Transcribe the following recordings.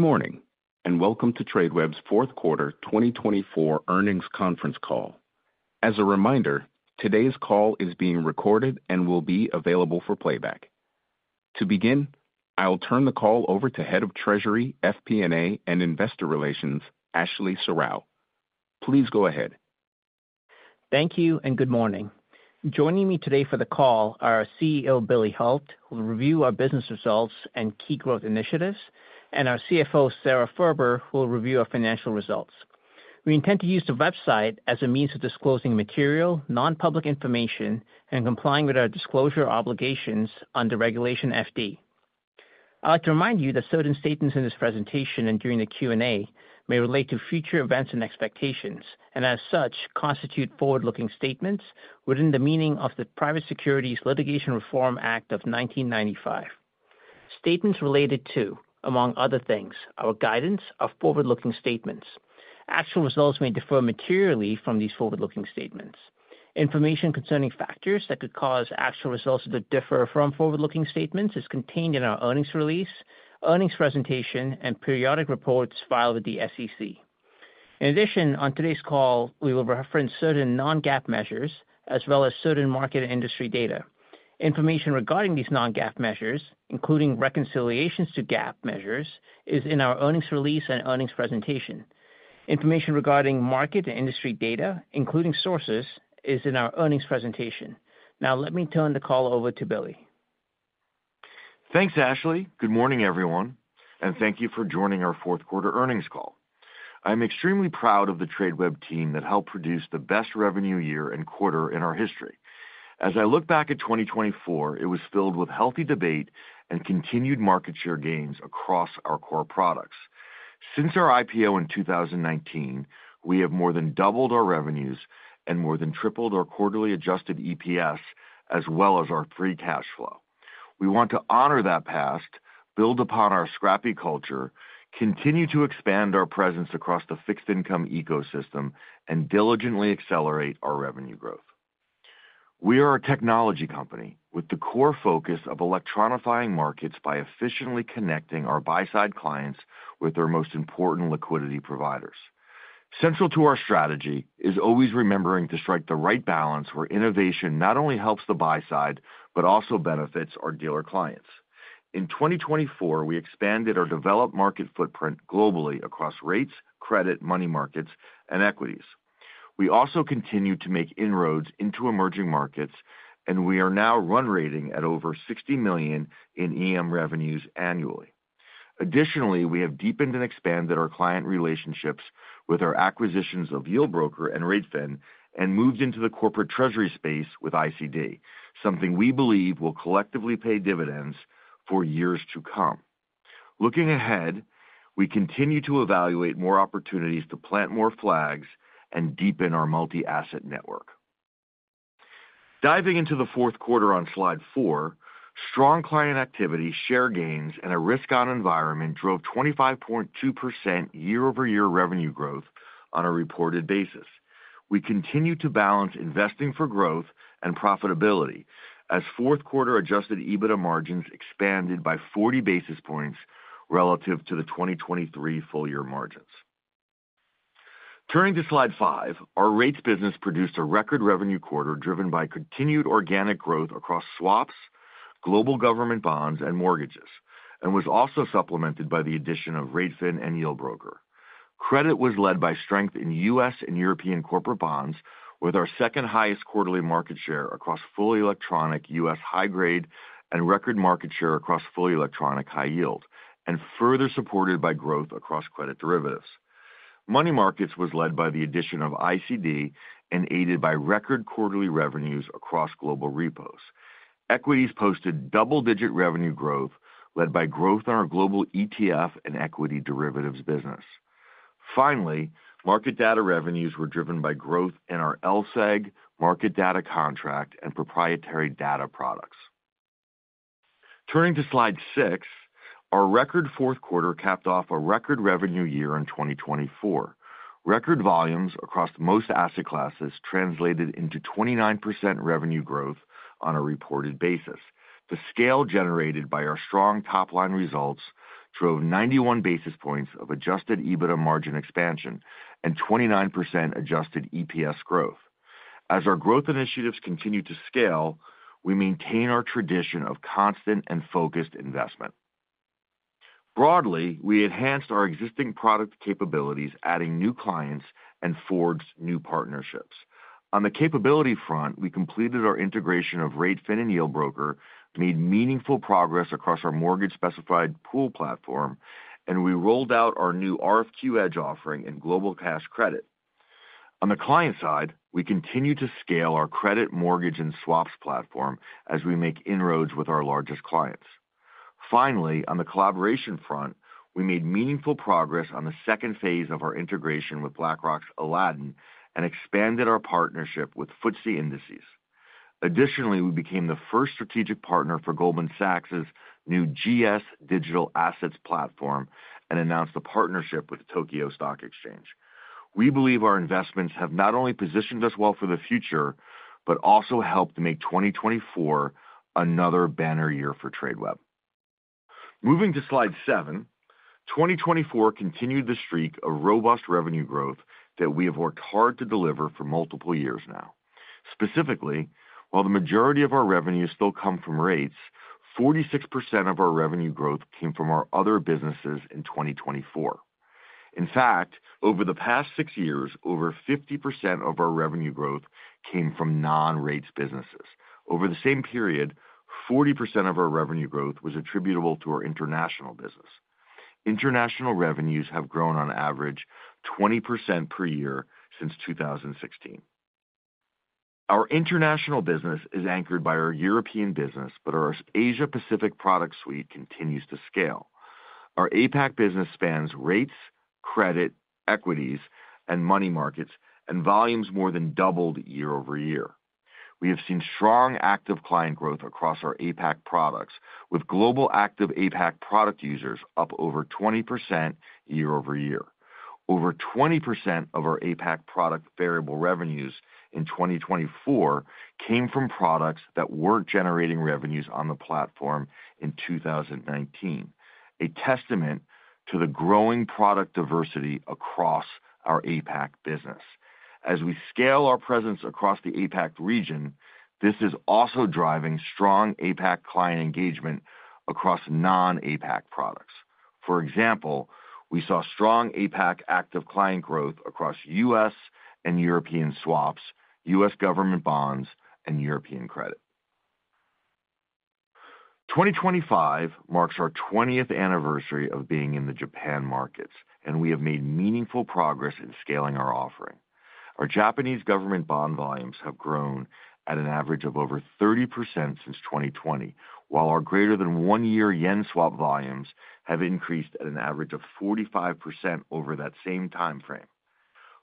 Good morning, and welcome to Tradeweb's Q4 2024 earnings conference call. As a reminder, today's call is being recorded and will be available for playback. To begin, I'll turn the call over to Head of Treasury, FP&A, and Investor Relations, Ashley Serrao. Please go ahead. Thank you, and good morning. Joining me today for the call are CEO Billy Hult, who will review our business results and key growth initiatives, and our CFO, Sara Furber, who will review our financial results. We intend to use the website as a means of disclosing material, non-public information, and complying with our disclosure obligations under Regulation FD. I'd like to remind you that certain statements in this presentation and during the Q&A may relate to future events and expectations, and as such constitute forward-looking statements within the meaning of the Private Securities Litigation Reform Act of 1995. Statements related to, among other things, our guidance of forward-looking statements. Actual results may differ materially from these forward-looking statements. Information concerning factors that could cause actual results to differ from forward-looking statements is contained in our earnings release, earnings presentation, and periodic reports filed with the SEC. In addition, on today's call, we will reference certain non-GAAP measures as well as certain market and industry data. Information regarding these non-GAAP measures, including reconciliations to GAAP measures, is in our earnings release and earnings presentation. Information regarding market and industry data, including sources, is in our earnings presentation. Now, let me turn the call over to Billy. Thanks, Ashley. Good morning, everyone, and thank you for joining our Q4 earnings call. I'm extremely proud of the Tradeweb team that helped produce the best revenue year and quarter in our history. As I look back at 2024, it was filled with healthy debate and continued market share gains across our core products. Since our IPO in 2019, we have more than doubled our revenues and more than tripled our quarterly Adjusted EPS, as well as our free cash flow. We want to honor that past, build upon our scrappy culture, continue to expand our presence across the fixed income ecosystem, and diligently accelerate our revenue growth. We are a technology company with the core focus of electronifying markets by efficiently connecting our buy-side clients with their most important liquidity providers. Central to our strategy is always remembering to strike the right balance where innovation not only helps the buy-side, but also benefits our dealer clients. In 2024, we expanded our developed market footprint globally across rates, credit, money markets, and equities. We also continue to make inroads into emerging markets, and we are now run rate at over $60 million in EM revenues annually. Additionally, we have deepened and expanded our client relationships with our acquisitions of Yieldbroker and r8fin and moved into the corporate treasury space with ICD, something we believe will collectively pay dividends for years to come. Looking ahead, we continue to evaluate more opportunities to plant more flags and deepen our multi-asset network. Diving into the Q4 on slide four, strong client activity, share gains, and a risk-on environment drove 25.2% year-over-year revenue growth on a reported basis. We continue to balance investing for growth and profitability as Q4 Adjusted EBITDA margins expanded by 40 basis points relative to the 2023 full-year margins. Turning to slide five, our rates business produced a record revenue quarter driven by continued organic growth across swaps, global government bonds, and mortgages, and was also supplemented by the addition of r8fin and Yieldbroker. Credit was led by strength in U.S. and European corporate bonds, with our second highest quarterly market share across fully electronic U.S. high-grade and record market share across fully electronic high yield, and further supported by growth across credit derivatives. Money markets was led by the addition of ICD and aided by record quarterly revenues across global repos. Equities posted double-digit revenue growth, led by growth in our global ETF and equity derivatives business. Finally, market data revenues were driven by growth in our LSEG market data contract and proprietary data products. Turning to slide six, our record Q4 capped off a record revenue year in 2024. Record volumes across most asset classes translated into 29% revenue growth on a reported basis. The scale generated by our strong top-line results drove 91 basis points of adjusted EBITDA margin expansion and 29% adjusted EPS growth. As our growth initiatives continue to scale, we maintain our tradition of constant and focused investment. Broadly, we enhanced our existing product capabilities, adding new clients and forged new partnerships. On the capability front, we completed our integration of r8fin and Yieldbroker, made meaningful progress across our mortgage-specified pool platform, and we rolled out our new RFQ Edge offering and global cash credit. On the client side, we continue to scale our credit, mortgage, and swaps platform as we make inroads with our largest clients. Finally, on the collaboration front, we made meaningful progress on the second phase of our integration with BlackRock's Aladdin and expanded our partnership with FTSE indices. Additionally, we became the first strategic partner for Goldman Sachs' new GS Digital Assets Platform and announced a partnership with the Tokyo Stock Exchange. We believe our investments have not only positioned us well for the future, but also helped to make 2024 another banner year for Tradeweb. Moving to slide seven, 2024 continued the streak of robust revenue growth that we have worked hard to deliver for multiple years now. Specifically, while the majority of our revenue still comes from rates, 46% of our revenue growth came from our other businesses in 2024. In fact, over the past six years, over 50% of our revenue growth came from non-rates businesses. Over the same period, 40% of our revenue growth was attributable to our international business. International revenues have grown on average 20% per year since 2016. Our international business is anchored by our European business, but our Asia-Pacific product suite continues to scale. Our APAC business spans rates, credit, equities, and money markets, and volumes more than doubled year-over-year. We have seen strong active client growth across our APAC products, with global active APAC product users up over 20% year-over-year. Over 20% of our APAC product variable revenues in 2024 came from products that weren't generating revenues on the platform in 2019, a testament to the growing product diversity across our APAC business. As we scale our presence across the APAC region, this is also driving strong APAC client engagement across non-APAC products. For example, we saw strong APAC active client growth across U.S. and European swaps, U.S. government bonds, and European credit. 2025 marks our 20th anniversary of being in the Japan markets, and we have made meaningful progress in scaling our offering. Our Japanese government bond volumes have grown at an average of over 30% since 2020, while our greater-than-one-year yen swap volumes have increased at an average of 45% over that same timeframe.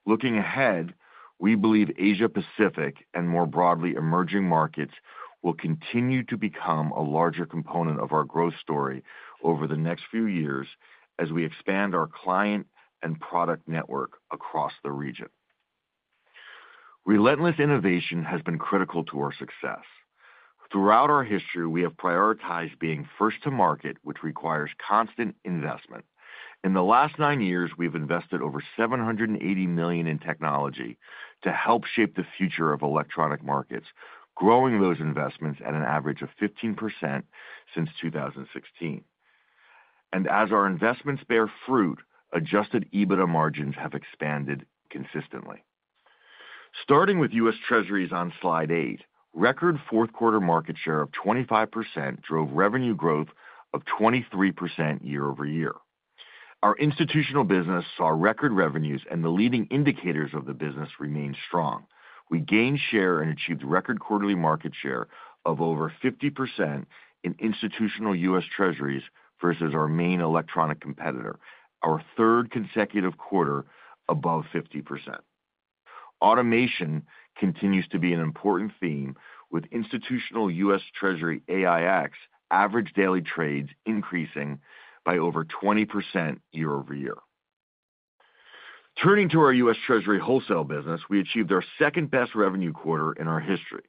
Looking ahead, we believe Asia-Pacific and more broadly emerging markets will continue to become a larger component of our growth story over the next few years as we expand our client and product network across the region. Relentless innovation has been critical to our success. Throughout our history, we have prioritized being first to market, which requires constant investment. In the last nine years, we've invested over $780 million in technology to help shape the future of electronic markets, growing those investments at an average of 15% since 2016. And as our investments bear fruit, Adjusted EBITDA margins have expanded consistently. Starting with U.S. Treasuries on slide eight, record Q4 market share of 25% drove revenue growth of 23% year-over-year. Our institutional business saw record revenues, and the leading indicators of the business remained strong. We gained share and achieved record quarterly market share of over 50% in institutional U.S. Treasuries versus our main electronic competitor, our third consecutive quarter above 50%. Automation continues to be an important theme, with institutional U.S. Treasury AiEX average daily trades increasing by over 20% year-over-year. Turning to our U.S. Treasury wholesale business, we achieved our second-best revenue quarter in our history.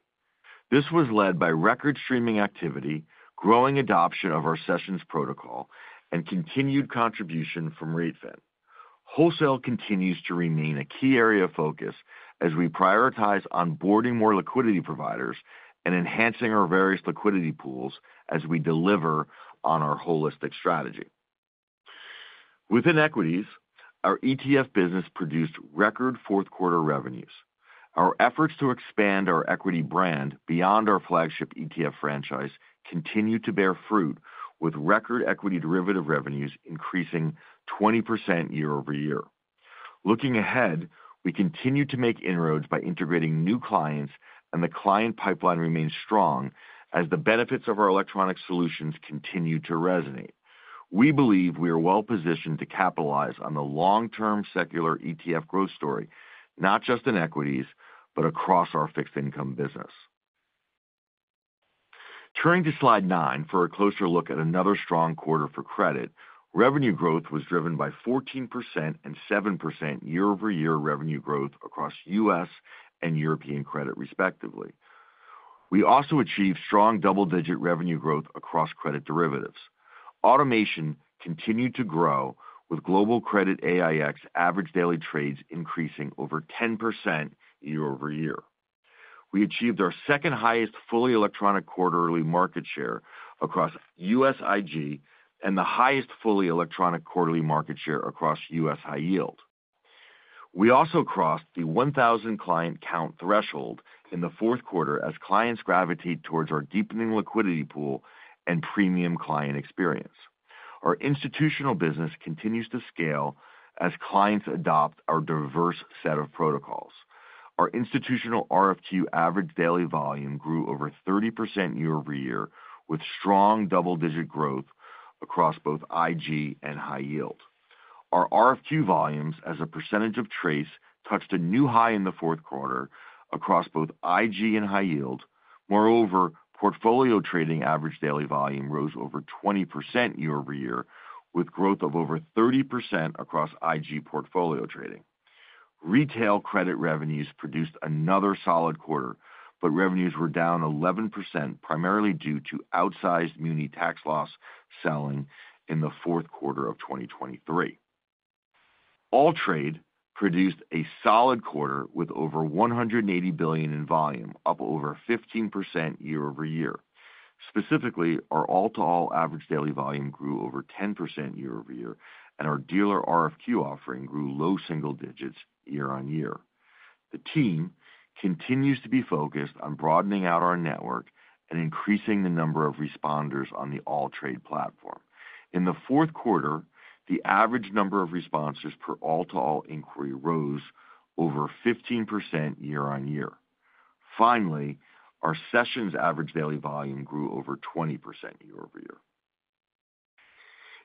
This was led by record streaming activity, growing adoption of our Sessions protocol, and continued contribution from r8fin. Wholesale continues to remain a key area of focus as we prioritize onboarding more liquidity providers and enhancing our various liquidity pools as we deliver on our holistic strategy. Within equities, our ETF business produced record Q4 revenues. Our efforts to expand our equity brand beyond our flagship ETF franchise continue to bear fruit, with record equity derivative revenues increasing 20% year-over-year. Looking ahead, we continue to make inroads by integrating new clients, and the client pipeline remains strong as the benefits of our electronic solutions continue to resonate. We believe we are well positioned to capitalize on the long-term secular ETF growth story, not just in equities, but across our fixed income business. Turning to slide nine for a closer look at another strong quarter for credit, revenue growth was driven by 14% and 7% year-over-year revenue growth across U.S. and European credit respectively. We also achieved strong double-digit revenue growth across credit derivatives. Automation continued to grow, with global credit AiEX average daily trades increasing over 10% year-over-year. We achieved our second-highest fully electronic quarterly market share across U.S. I.G. and the highest fully electronic quarterly market share across U.S. high yield. We also crossed the 1,000 client count threshold in the Q4 as clients gravitate towards our deepening liquidity pool and premium client experience. Our institutional business continues to scale as clients adopt our diverse set of protocols. Our institutional RFQ average daily volume grew over 30% year-over-year, with strong double-digit growth across both I.G. and high yield. Our RFQ volumes, as a percentage of TRACE, touched a new high in the Q4 across both I.G. and high yield. Moreover, portfolio trading average daily volume rose over 20% year-over-year, with growth of over 30% across I.G. portfolio trading. Retail credit revenues produced another solid quarter, but revenues were down 11%, primarily due to outsized muni tax loss selling in the Q4 of 2023. AllTrade produced a solid quarter with over 180 billion in volume, up over 15% year-over-year. Specifically, our all-to-all average daily volume grew over 10% year-over-year, and our dealer RFQ offering grew low single digits year on year. The team continues to be focused on broadening out our network and increasing the number of responders on the AllTrade platform. In the Q4, the average number of responses per all-to-all inquiry rose over 15% year on year. Finally, our Sessions average daily volume grew over 20% year-over-year.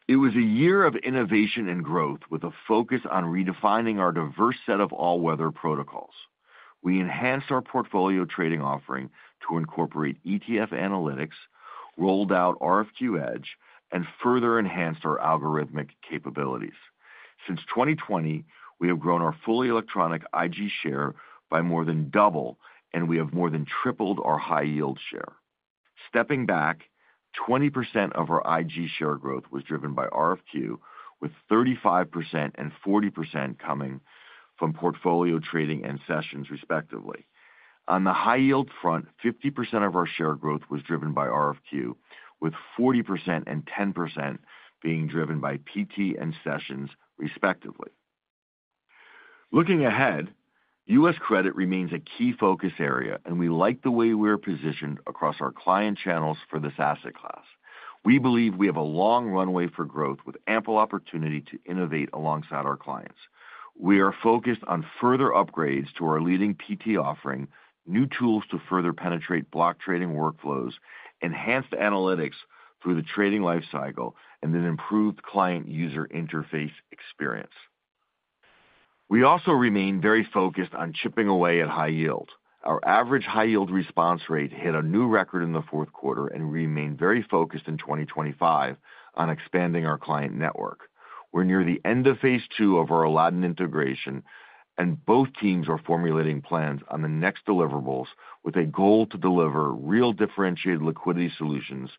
It was a year of innovation and growth, with a focus on redefining our diverse set of all-weather protocols. We enhanced our portfolio trading offering to incorporate ETF analytics, rolled out RFQ Edge, and further enhanced our algorithmic capabilities. Since 2020, we have grown our fully electronic I.G. share by more than double, and we have more than tripled our high yield share. Stepping back, 20% of our I.G. share growth was driven by RFQ, with 35% and 40% coming from portfolio trading and sessions respectively. On the high yield front, 50% of our share growth was driven by RFQ, with 40% and 10% being driven by PT and sessions respectively. Looking ahead, U.S. credit remains a key focus area, and we like the way we are positioned across our client channels for this asset class. We believe we have a long runway for growth, with ample opportunity to innovate alongside our clients. We are focused on further upgrades to our leading PT offering, new tools to further penetrate block trading workflows, enhanced analytics through the trading lifecycle, and an improved client user interface experience. We also remain very focused on chipping away at high yield. Our average high yield response rate hit a new record in the Q4 and remained very focused in 2025 on expanding our client network. We're near the end of phase two of our Aladdin integration, and both teams are formulating plans on the next deliverables, with a goal to deliver real differentiated liquidity solutions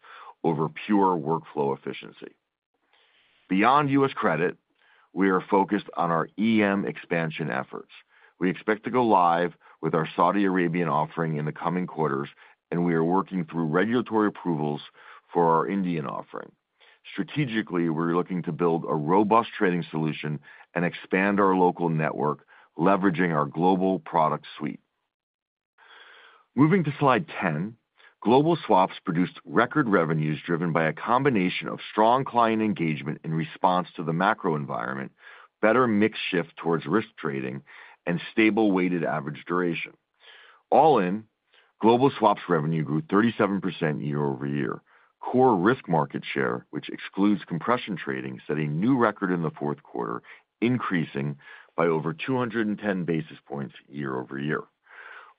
over pure workflow efficiency. Beyond U.S. credit, we are focused on our EM expansion efforts. We expect to go live with our Saudi Arabian offering in the coming quarters, and we are working through regulatory approvals for our Indian offering. Strategically, we're looking to build a robust trading solution and expand our local network, leveraging our global product suite. Moving to slide 10, global swaps produced record revenues driven by a combination of strong client engagement in response to the macro environment, better mix shift towards risk trading, and stable weighted average duration. All in, global swaps revenue grew 37% year-over-year. Core risk market share, which excludes compression trading, set a new record in the Q4, increasing by over 210 basis points year-over-year.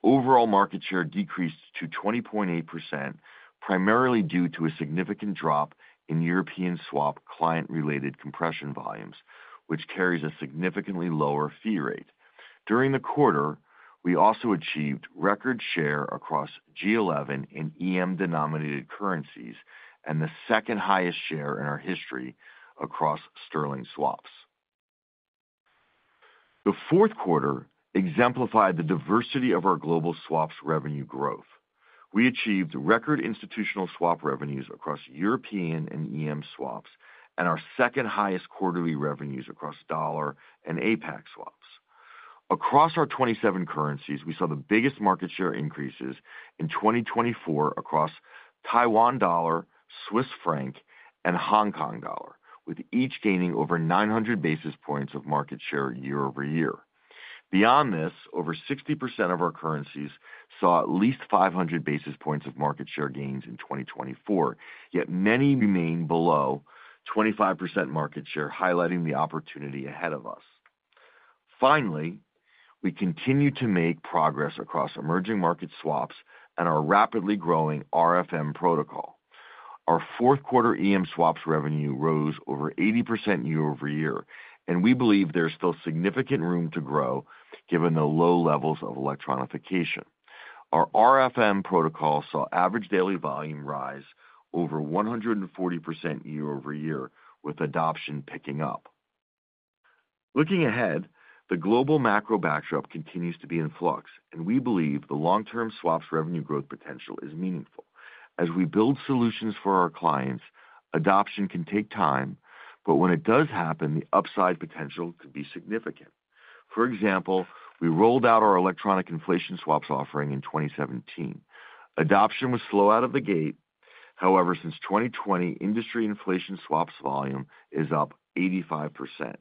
Overall market share decreased to 20.8%, primarily due to a significant drop in European swap client-related compression volumes, which carries a significantly lower fee rate. During the quarter, we also achieved record share across G11 and EM-denominated currencies and the second-highest share in our history across sterling swaps. The Q4 exemplified the diversity of our global swaps revenue growth. We achieved record institutional swap revenues across European and EM swaps and our second-highest quarterly revenues across dollar and APAC swaps. Across our 27 currencies, we saw the biggest market share increases in 2024 across Taiwan dollar, Swiss franc, and Hong Kong dollar, with each gaining over 900 basis points of market share year-over-year. Beyond this, over 60% of our currencies saw at least 500 basis points of market share gains in 2024, yet many remain below 25% market share, highlighting the opportunity ahead of us. Finally, we continue to make progress across emerging market swaps and our rapidly growing RFM protocol. Our Q4 EM swaps revenue rose over 80% year-over-year, and we believe there's still significant room to grow given the low levels of electronification. Our RFM protocol saw average daily volume rise over 140% year-over-year, with adoption picking up. Looking ahead, the global macro backdrop continues to be in flux, and we believe the long-term swaps revenue growth potential is meaningful. As we build solutions for our clients, adoption can take time, but when it does happen, the upside potential could be significant. For example, we rolled out our electronic inflation swaps offering in 2017. Adoption was slow out of the gate. However, since 2020, industry inflation swaps volume is up 85%.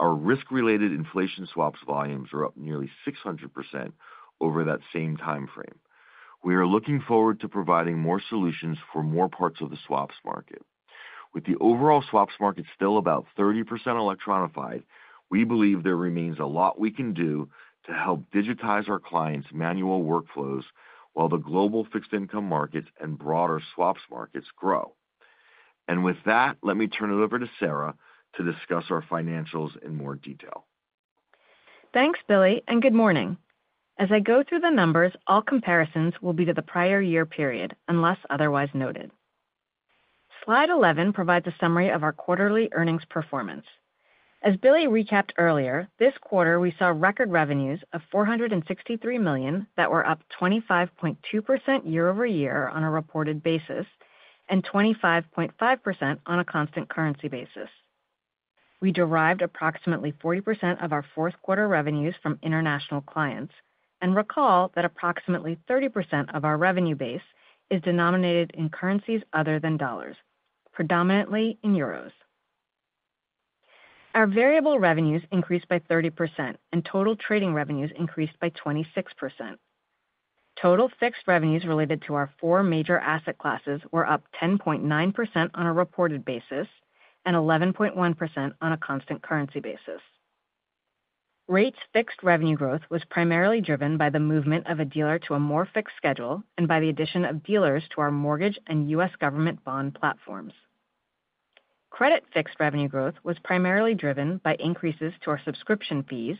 Our risk-related inflation swaps volumes are up nearly 600% over that same timeframe. We are looking forward to providing more solutions for more parts of the swaps market. With the overall swaps market still about 30% electronified, we believe there remains a lot we can do to help digitize our clients' manual workflows while the global fixed income markets and broader swaps markets grow. And with that, let me turn it over to Sara to discuss our financials in more detail. Thanks, Billy, and good morning. As I go through the numbers, all comparisons will be to the prior year period unless otherwise noted. Slide 11 provides a summary of our quarterly earnings performance. As Billy recapped earlier, this quarter we saw record revenues of $463 million that were up 25.2% year-over-year on a reported basis and 25.5% on a constant currency basis. We derived approximately 40% of our Q4 revenues from international clients and recall that approximately 30% of our revenue base is denominated in currencies other than dollars, predominantly in euros. Our variable revenues increased by 30% and total trading revenues increased by 26%. Total fixed revenues related to our four major asset classes were up 10.9% on a reported basis and 11.1% on a constant currency basis. Rate fixed revenue growth was primarily driven by the movement of a dealer to a more fixed schedule and by the addition of dealers to our mortgage and U.S. government bond platforms. Credit fixed revenue growth was primarily driven by increases to our subscription fees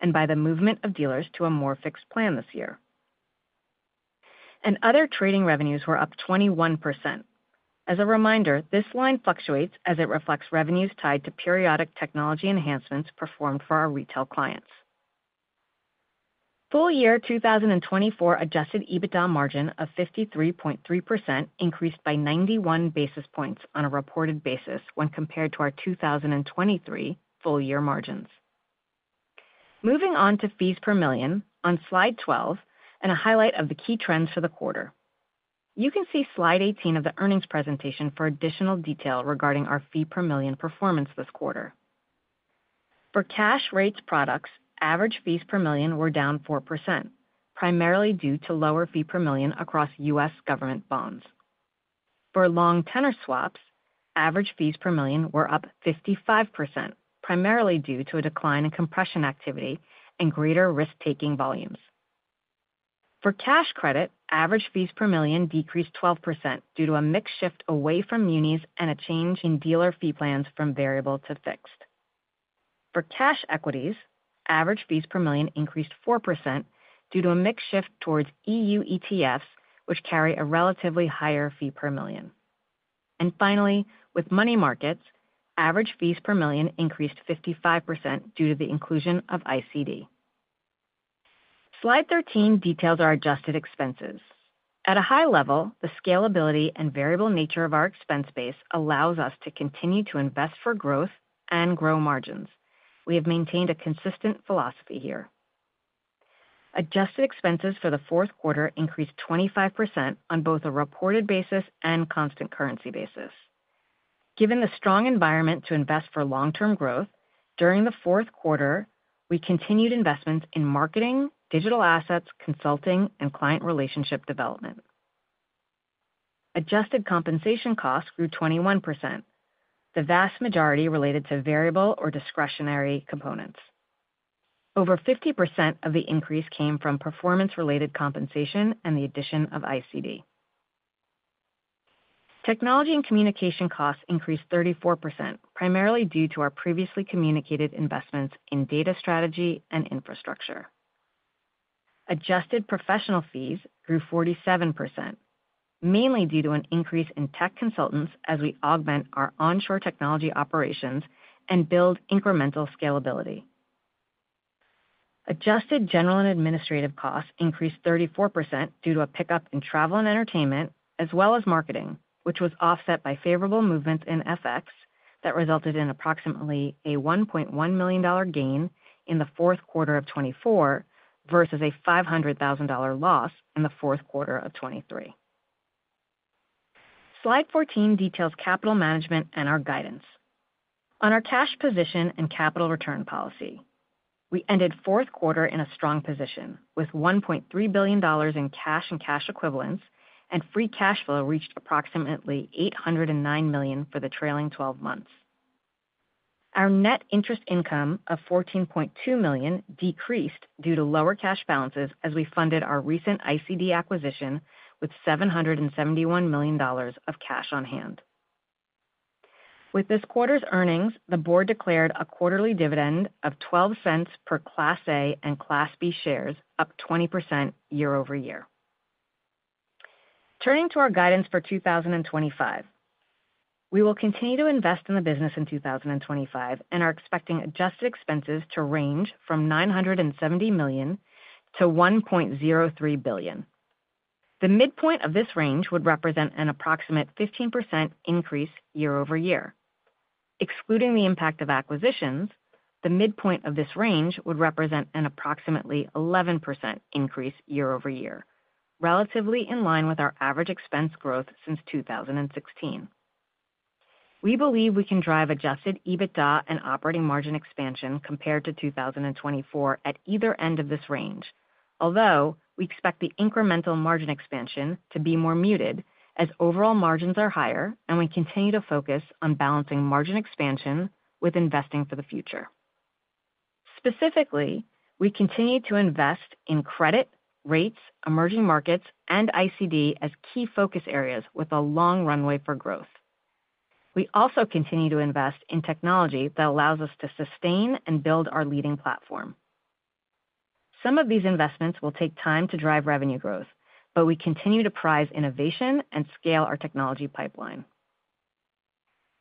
and by the movement of dealers to a more fixed plan this year. Other trading revenues were up 21%. As a reminder, this line fluctuates as it reflects revenues tied to periodic technology enhancements performed for our retail clients. Full year 2024 Adjusted EBITDA margin of 53.3% increased by 91 basis points on a reported basis when compared to our 2023 full year margins. Moving on to fees per million on slide 12 and a highlight of the key trends for the quarter. You can see slide 18 of the earnings presentation for additional detail regarding our fee per million performance this quarter. For cash rates products, average fees per million were down 4%, primarily due to lower fee per million across U.S. government bonds. For long tenor swaps, average fees per million were up 55%, primarily due to a decline in compression activity and greater risk-taking volumes. For cash credit, average fees per million decreased 12% due to a mix shift away from munis and a change in dealer fee plans from variable to fixed. For cash equities, average fees per million increased 4% due to a mix shift towards EU ETFs, which carry a relatively higher fee per million. Finally, with money markets, average fees per million increased 55% due to the inclusion of ICD. Slide 13 details our adjusted expenses. At a high level, the scalability and variable nature of our expense base allows us to continue to invest for growth and grow margins. We have maintained a consistent philosophy here. Adjusted expenses for the Q4 increased 25% on both a reported basis and constant currency basis. Given the strong environment to invest for long-term growth, during the Q4, we continued investments in marketing, digital assets, consulting, and client relationship development. Adjusted compensation costs grew 21%, the vast majority related to variable or discretionary components. Over 50% of the increase came from performance-related compensation and the addition of ICD. Technology and communication costs increased 34%, primarily due to our previously communicated investments in data strategy and infrastructure. Adjusted professional fees grew 47%, mainly due to an increase in tech consultants as we augment our onshore technology operations and build incremental scalability. Adjusted general and administrative costs increased 34% due to a pickup in travel and entertainment, as well as marketing, which was offset by favorable movements in FX that resulted in approximately a $1.1 million gain in the Q4 of 2024 versus a $500,000 loss in the Q4 of 2023. Slide 14 details capital management and our guidance. On our cash position and capital return policy, we ended Q4 in a strong position with $1.3 billion in cash and cash equivalents, and free cash flow reached approximately $809 million for the trailing 12 months. Our net interest income of $14.2 million decreased due to lower cash balances as we funded our recent ICD acquisition with $771 million of cash on hand. With this quarter's earnings, the board declared a quarterly dividend of $0.12 per Class A and Class B shares, up 20% year-over-year. Turning to our guidance for 2025, we will continue to invest in the business in 2025 and are expecting Adjusted expenses to range from $970 million-$1.03 billion. The midpoint of this range would represent an approximate 15% increase year-over-year. Excluding the impact of acquisitions, the midpoint of this range would represent an approximately 11% increase year-over-year, relatively in line with our average expense growth since 2016. We believe we can drive Adjusted EBITDA and operating margin expansion compared to 2024 at either end of this range, although we expect the incremental margin expansion to be more muted as overall margins are higher and we continue to focus on balancing margin expansion with investing for the future. Specifically, we continue to invest in credit, rates, emerging markets, and ICD as key focus areas with a long runway for growth. We also continue to invest in technology that allows us to sustain and build our leading platform. Some of these investments will take time to drive revenue growth, but we continue to prize innovation and scale our technology pipeline.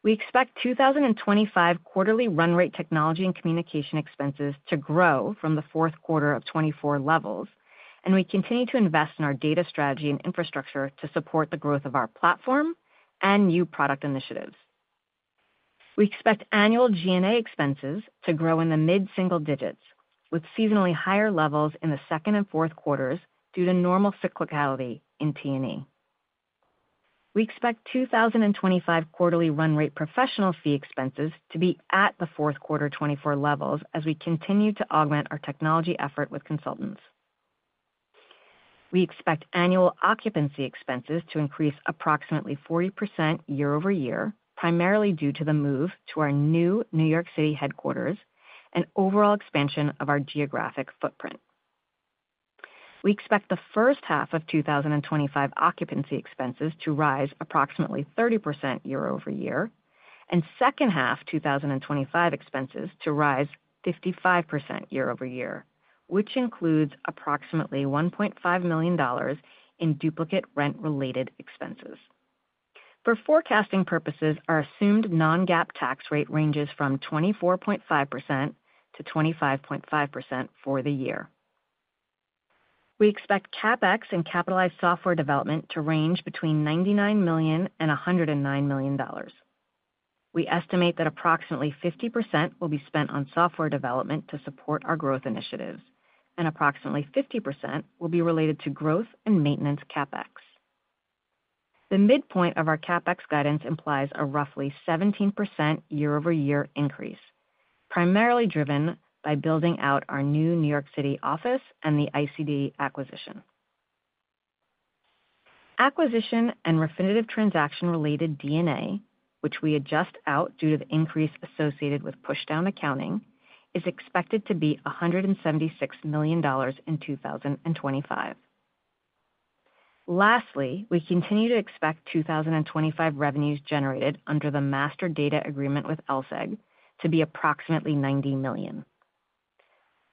We expect 2025 quarterly run rate technology and communication expenses to grow from the Q4 of 2024 levels, and we continue to invest in our data strategy and infrastructure to support the growth of our platform and new product initiatives. We expect annual G&A expenses to grow in the mid-single digits, with seasonally higher levels in the second and Q4s due to normal cyclicality in T&E. We expect 2025 quarterly run rate professional fee expenses to be at the Q4 2024 levels as we continue to augment our technology effort with consultants. We expect annual occupancy expenses to increase approximately 40% year-over-year, primarily due to the move to our new New York City headquarters and overall expansion of our geographic footprint. We expect the first half of 2025 occupancy expenses to rise approximately 30% year-over-year and second half 2025 expenses to rise 55% year-over-year, which includes approximately $1.5 million in duplicate rent-related expenses. For forecasting purposes, our assumed non-GAAP tax rate ranges from 24.5%-25.5% for the year. We expect CapEx and capitalized software development to range between $99 million and $109 million. We estimate that approximately 50% will be spent on software development to support our growth initiatives, and approximately 50% will be related to growth and maintenance CapEx. The midpoint of our CapEx guidance implies a roughly 17% year-over-year increase, primarily driven by building out our new New York City office and the ICD acquisition. Acquisition and Refinitiv transaction-related D&A, which we adjust out due to the increase associated with push-down accounting, is expected to be $176 million in 2025. Lastly, we continue to expect 2025 revenues generated under the master data agreement with LSEG to be approximately $90 million.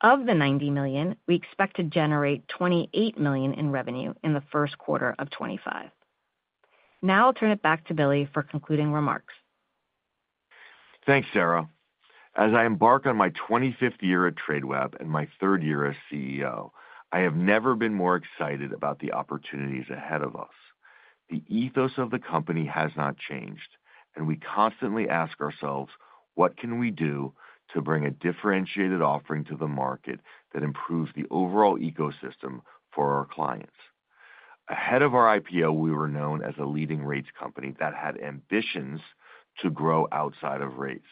Of the $90 million, we expect to generate $28 million in revenue in the Q1 of 2025. Now I'll turn it back to Billy for concluding remarks. Thanks, Sara. As I embark on my 25th year at Tradeweb and my third year as CEO, I have never been more excited about the opportunities ahead of us. The ethos of the company has not changed, and we constantly ask ourselves, what can we do to bring a differentiated offering to the market that improves the overall ecosystem for our clients? Ahead of our IPO, we were known as a leading rates company that had ambitions to grow outside of rates.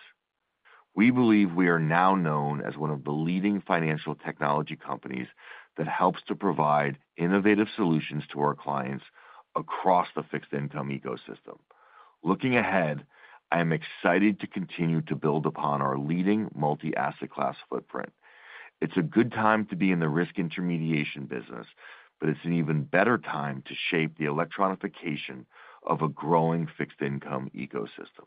We believe we are now known as one of the leading financial technology companies that helps to provide innovative solutions to our clients across the fixed income ecosystem. Looking ahead, I am excited to continue to build upon our leading multi-asset class footprint. It's a good time to be in the risk intermediation business, but it's an even better time to shape the electronification of a growing fixed income ecosystem.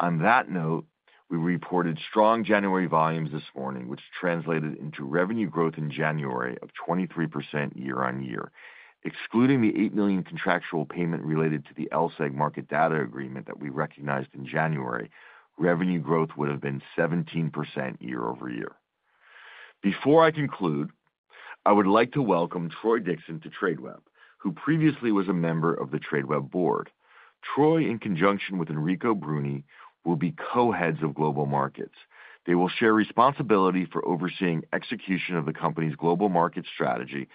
On that note, we reported strong January volumes this morning, which translated into revenue growth in January of 23% year-on-year. Excluding the $8 million contractual payment related to the LSEG market data agreement that we recognized in January, revenue growth would have been 17% year-over-year. Before I conclude, I would like to welcome Troy Dixon to Tradeweb, who previously was a member of the Tradeweb board. Troy, in conjunction with Enrico Bruni, will be co-heads of global markets. They will share responsibility for overseeing execution of the company's global market strategy,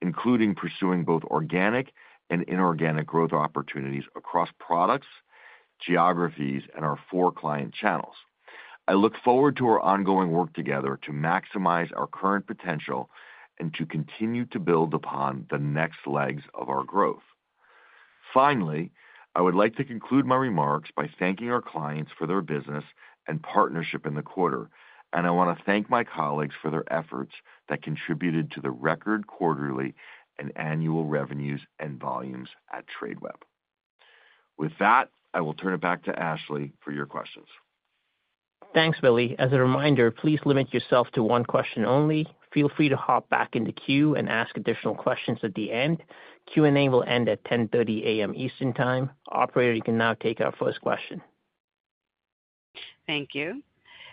including pursuing both organic and inorganic growth opportunities across products, geographies, and our four client channels. I look forward to our ongoing work together to maximize our current potential and to continue to build upon the next legs of our growth. Finally, I would like to conclude my remarks by thanking our clients for their business and partnership in the quarter, and I want to thank my colleagues for their efforts that contributed to the record quarterly and annual revenues and volumes at Tradeweb. With that, I will turn it back to Ashley for your questions. Thanks, Billy. As a reminder, please limit yourself to one question only. Feel free to hop back into queue and ask additional questions at the end. Q&A will end at 10:30 A.M. Eastern Time. Operator, you can now take our first question. Thank you.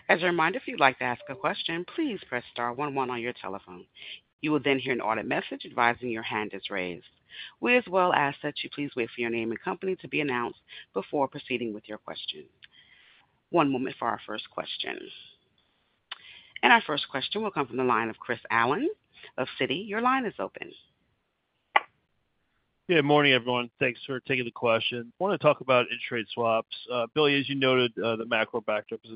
As a reminder, if you'd like to ask a question, please press star 11 on your telephone. You will then hear an audio message advising your hand is raised. We also ask that you please wait for your name and company to be announced before proceeding with your question. One moment for our first question and our first question will come from the line of Chris Allen of Citi. Your line is open. Yeah, morning, everyone. Thanks for taking the question. I want to talk about interest rate swaps. Billy, as you noted, the macro backdrop is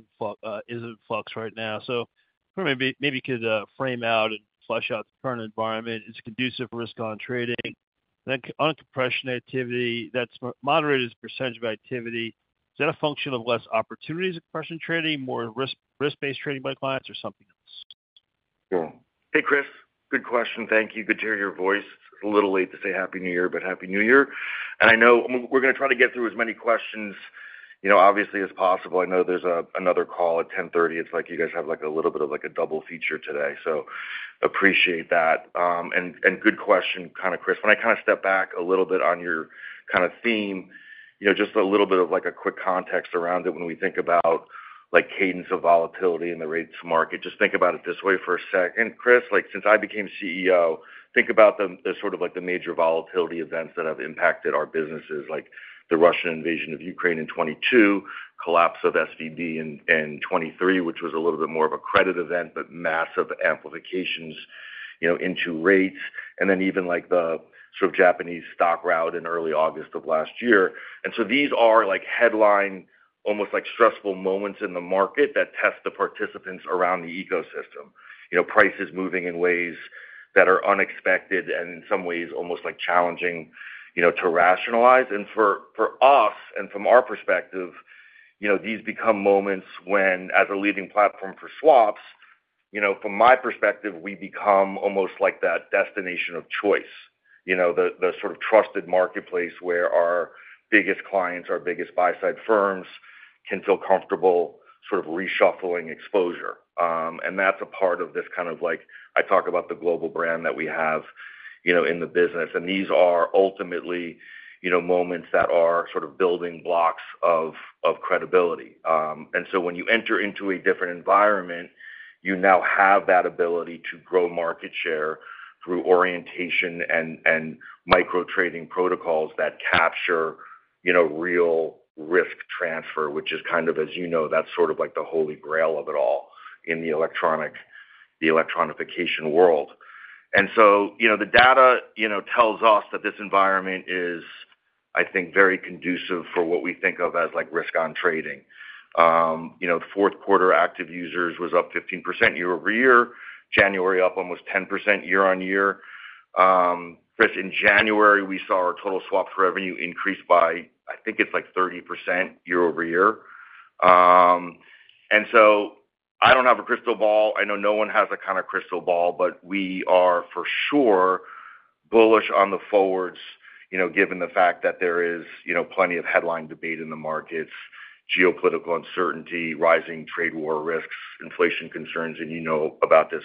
in flux right now. So maybe you could frame out and flesh out the current environment. It's a conducive risk-on trading. Then on compression activity, that's moderated percentage of activity. Is that a function of less opportunities in compression trading, more risk-based trading by clients, or something else? Sure. Hey, Chris. Good question. Thank you. Good to hear your voice. It's a little late to say happy New Year, but happy New Year and I know we're going to try to get through as many questions, you know, obviously as possible. I know there's another call at 10:30 A.M. It's like you guys have like a little bit of like a double feature today. So, appreciate that. And good question, kind of, Chris. When I kind of step back a little bit on your kind of theme, you know, just a little bit of like a quick context around it when we think about cadence of volatility in the rates market. Just think about it this way for a second, Chris. Like since I became CEO, think about the sort of like the major volatility events that have impacted our businesses, like the Russian invasion of Ukraine in 2022, collapse of SVB in 2023, which was a little bit more of a credit event, but massive amplifications, you know, into rates. And then even like the sort of Japanese stock rout in early August of last year. These are like headline, almost like stressful moments in the market that test the participants around the ecosystem. You know, prices moving in ways that are unexpected and in some ways almost like challenging, you know, to rationalize. For us, from our perspective, you know, these become moments when, as a leading platform for swaps, you know, from my perspective, we become almost like that destination of choice, you know, the sort of trusted marketplace where our biggest clients, our biggest buy-side firms can feel comfortable sort of reshuffling exposure. That's a part of this kind of like, I talk about the global brand that we have, you know, in the business. These are ultimately, you know, moments that are sort of building blocks of credibility. When you enter into a different environment, you now have that ability to grow market share through orientation and micro trading protocols that capture, you know, real risk transfer, which is kind of, as you know, that's sort of like the holy grail of it all in the electronic electronification world. The data tells us that this environment is, I think, very conducive for what we think of as like risk-on trading. The Q4 active users was up 15% year-over-year. January up almost 10% year-on-year. Chris, in January, we saw our total swaps revenue increase by, I think it's like 30% year-over-year. I don't have a crystal ball. I know no one has a kind of crystal ball, but we are for sure bullish on the forwards, you know, given the fact that there is, you know, plenty of headline debate in the markets, geopolitical uncertainty, rising trade war risks, inflation concerns, and you know about this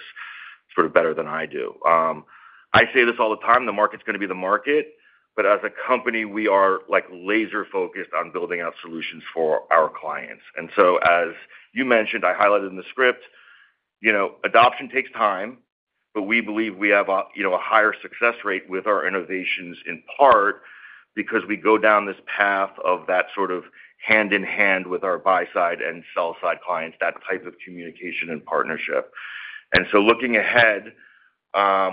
sort of better than I do. I say this all the time. The market's going to be the market, but as a company, we are like laser-focused on building out solutions for our clients, and so, as you mentioned, I highlighted in the script, you know, adoption takes time, but we believe we have, you know, a higher success rate with our innovations in part because we go down this path of that sort of hand-in-hand with our buy-side and sell-side clients, that type of communication and partnership. And so looking ahead,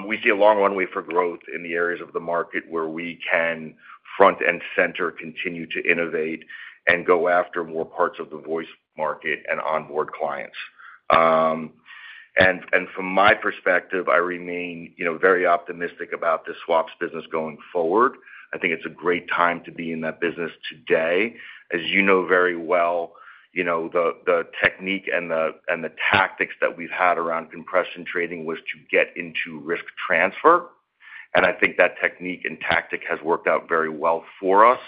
we see a long runway for growth in the areas of the market where we can front and center, continue to innovate and go after more parts of the voice market and onboard clients. And from my perspective, I remain, you know, very optimistic about the swaps business going forward. I think it's a great time to be in that business today. As you know very well, you know, the technique and the tactics that we've had around compression trading was to get into risk transfer. And I think that technique and tactic has worked out very well for us.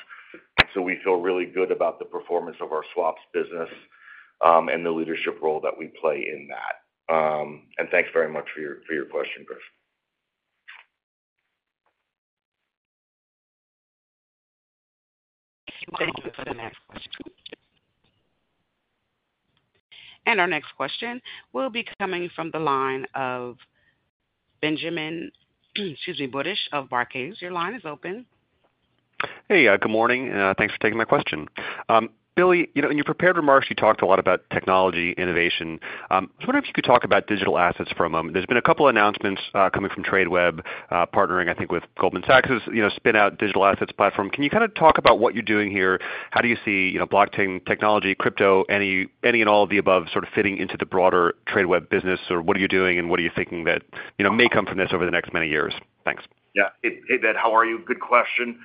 And so we feel really good about the performance of our swaps business and the leadership role that we play in that. And thanks very much for your question, Chris. Thank you. Thank you for the next question. Our next question will be coming from the line of Benjamin Budish of Barclays. Your line is open. Hey, good morning. Thanks for taking my question. Billy, you know, in your prepared remarks, you talked a lot about technology innovation. I was wondering if you could talk about digital assets for a moment. There's been a couple of announcements coming from Tradeweb, partnering, I think, with Goldman Sachs's, you know, spin-out digital assets platform. Can you kind of talk about what you're doing here? How do you see, you know, blockchain technology, crypto, any and all of the above sort of fitting into the broader Tradeweb business? Or what are you doing and what are you thinking that, you know, may come from this over the next many years? Thanks. Yeah. Hey, Ben, how are you? Good question.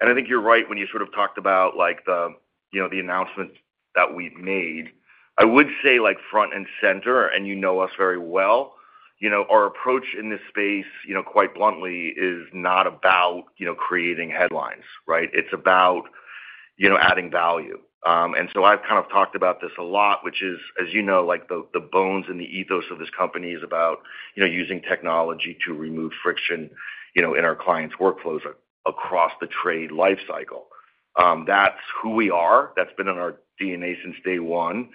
I think you're right when you sort of talked about like the, you know, the announcements that we've made. I would say like front and center, and you know us very well, you know, our approach in this space, you know, quite bluntly, is not about, you know, creating headlines, right? It's about, you know, adding value. I've kind of talked about this a lot, which is, as you know, like the bones and the ethos of this company is about, you know, using technology to remove friction, you know, in our clients' workflows across the trade lifecycle. That's who we are. That's been in our DNA since day one,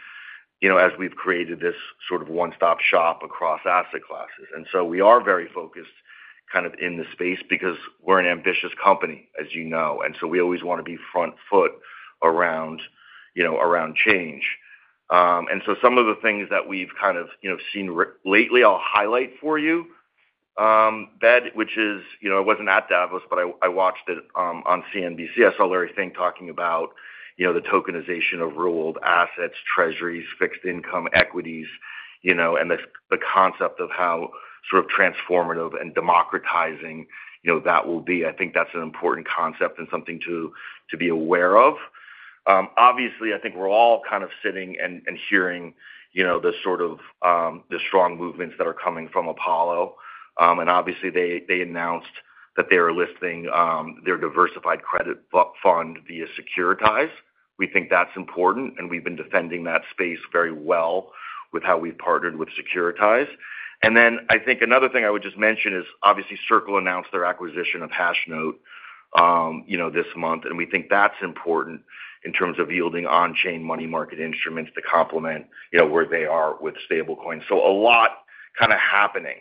you know, as we've created this sort of one-stop shop across asset classes. We are very focused kind of in the space because we're an ambitious company, as you know. And so we always want to be front-foot around, you know, around change. And so some of the things that we've kind of, you know, seen lately, I'll highlight for you, Ben, which is, you know, I wasn't at Davos, but I watched it on CNBC. I saw Larry Fink talking about, you know, the tokenization of real-world assets, treasuries, fixed income equities, you know, and the concept of how sort of transformative and democratizing, you know, that will be. I think that's an important concept and something to be aware of. Obviously, I think we're all kind of sitting and hearing, you know, the sort of strong movements that are coming from Apollo. And obviously, they announced that they are listing their diversified credit fund via Securitize. We think that's important, and we've been defending that space very well with how we've partnered with Securitize. And then I think another thing I would just mention is, obviously, Circle announced their acquisition of Hashnote, you know, this month, and we think that's important in terms of yielding on-chain money market instruments to complement, you know, where they are with stable coins. So a lot kind of happening.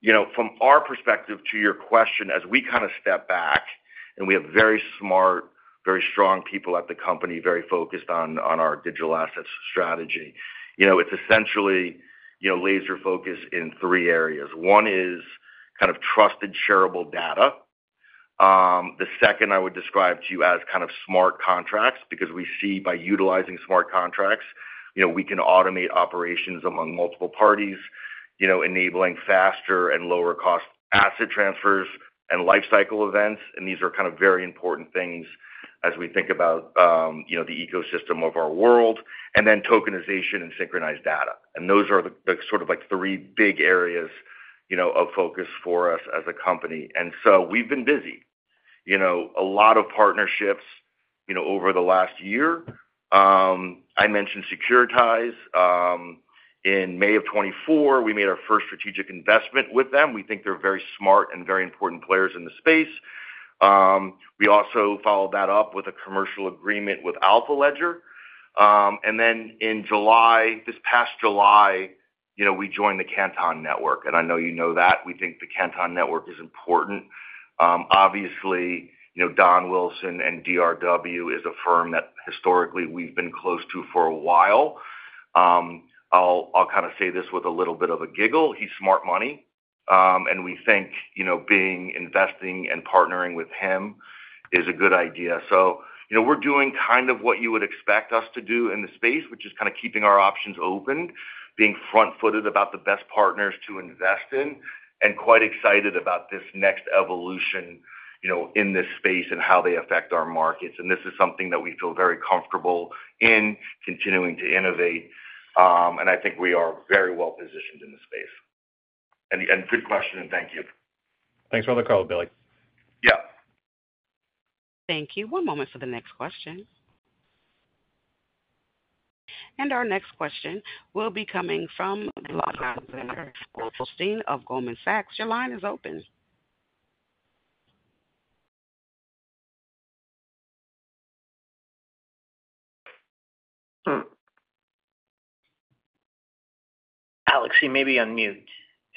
You know, from our perspective to your question, as we kind of step back and we have very smart, very strong people at the company, very focused on our digital assets strategy, you know, it's essentially, you know, laser-focused in three areas. One is kind of trusted shareable data. The second I would describe to you as kind of smart contracts because we see by utilizing smart contracts, you know, we can automate operations among multiple parties, you know, enabling faster and lower-cost asset transfers and lifecycle events. These are kind of very important things as we think about, you know, the ecosystem of our world. Then tokenization and synchronized data. Those are the sort of like three big areas, you know, of focus for us as a company. We've been busy, you know, a lot of partnerships, you know, over the last year. I mentioned Securitize. In May of 2024, we made our first strategic investment with them. We think they're very smart and very important players in the space. We also followed that up with a commercial agreement with AlphaLedger. In July, this past July, you know, we joined the Canton Network. I know you know that. We think the Canton Network is important. Obviously, you know, Don Wilson and DRW is a firm that historically we've been close to for a while. I'll kind of say this with a little bit of a giggle. He's smart money. And we think, you know, being investing and partnering with him is a good idea. So, you know, we're doing kind of what you would expect us to do in the space, which is kind of keeping our options open, being front-footed about the best partners to invest in, and quite excited about this next evolution, you know, in this space and how they affect our markets. And this is something that we feel very comfortable in continuing to innovate. And I think we are very well positioned in the space. And good question, and thank you. Thanks for the call, Billy. Yeah. Thank you. One moment for the next question. And our next question will be coming from Logan Steiner of Goldman Sachs. Your line is open. Alex, you may be on mute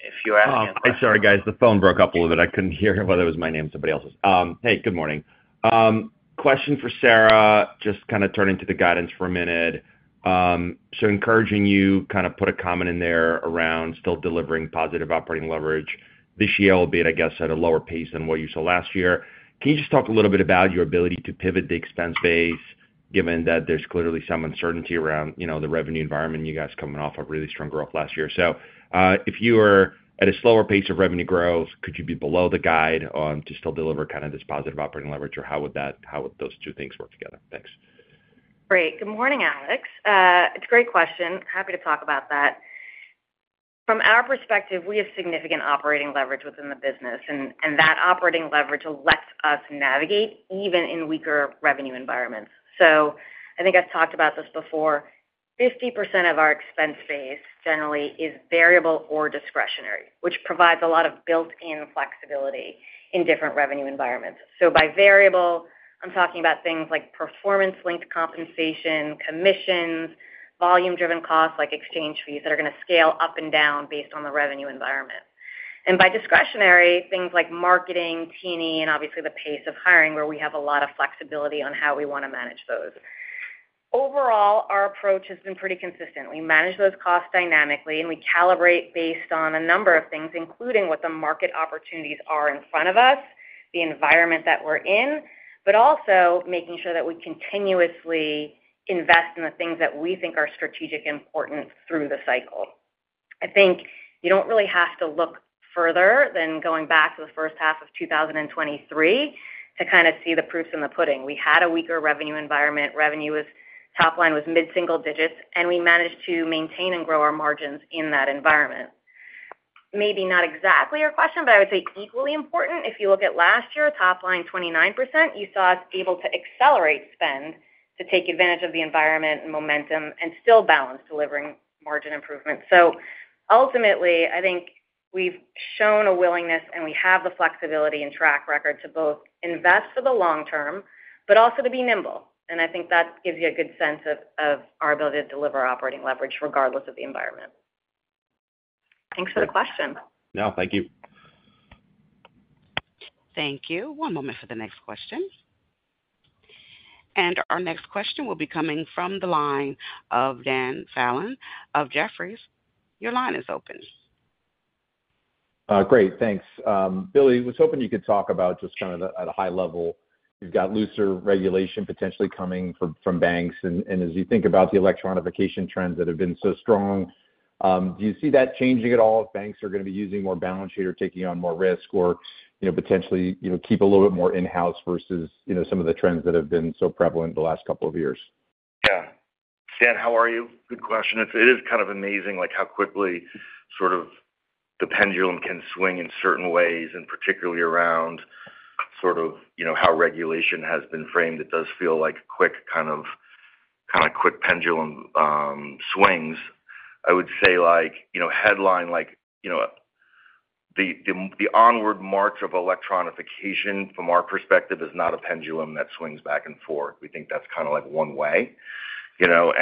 if you're asking a question. Sorry, guys. The phone broke up a little bit. I couldn't hear whether it was my name or somebody else's. Hey, good morning. Question for Sara. Just kind of turning to the guidance for a minute. So encouraging you kind of put a comment in there around still delivering positive operating leverage. This year will be, I guess, at a lower pace than what you saw last year. Can you just talk a little bit about your ability to pivot the expense base, given that there's clearly some uncertainty around, you know, the revenue environment and you guys coming off of really strong growth last year? So if you were at a slower pace of revenue growth, could you be below the guide to still deliver kind of this positive operating leverage, or how would those two things work together? Thanks. Great. Good morning, Alex. It's a great question. Happy to talk about that. From our perspective, we have significant operating leverage within the business, and that operating leverage lets us navigate even in weaker revenue environments. So I think I've talked about this before. 50% of our expense base generally is variable or discretionary, which provides a lot of built-in flexibility in different revenue environments. So by variable, I'm talking about things like performance-linked compensation, commissions, volume-driven costs like exchange fees that are going to scale up and down based on the revenue environment. By discretionary, things like marketing, T&E, and obviously the pace of hiring where we have a lot of flexibility on how we want to manage those. Overall, our approach has been pretty consistent. We manage those costs dynamically, and we calibrate based on a number of things, including what the market opportunities are in front of us, the environment that we're in, but also making sure that we continuously invest in the things that we think are strategic and important through the cycle. I think you don't really have to look further than going back to the first half of 2023 to kind of see the proofs in the pudding. We had a weaker revenue environment. Revenue, top line, was mid-single digits, and we managed to maintain and grow our margins in that environment. Maybe not exactly your question, but I would say equally important. If you look at last year, top line 29%, you saw us able to accelerate spend to take advantage of the environment and momentum and still balance delivering margin improvement. So ultimately, I think we've shown a willingness, and we have the flexibility and track record to both invest for the long term, but also to be nimble, and I think that gives you a good sense of our ability to deliver operating leverage regardless of the environment. Thanks for the question. No, thank you. Thank you. One moment for the next question, and our next question will be coming from the line of Dan Fannon of Jefferies. Your line is open. Great. Thanks. Billy, I was hoping you could talk about just kind of at a high level. You've got looser regulation potentially coming from banks. As you think about the electronification trends that have been so strong, do you see that changing at all if banks are going to be using more balance sheet or taking on more risk or, you know, potentially, you know, keep a little bit more in-house versus, you know, some of the trends that have been so prevalent the last couple of years? Yeah. Dan, how are you? Good question. It is kind of amazing like how quickly sort of the pendulum can swing in certain ways, and particularly around sort of, you know, how regulation has been framed. It does feel like quick kind of quick pendulum swings. I would say like, you know, headline like, you know, the onward march of electronification from our perspective is not a pendulum that swings back and forth. We think that's kind of like one way, you know.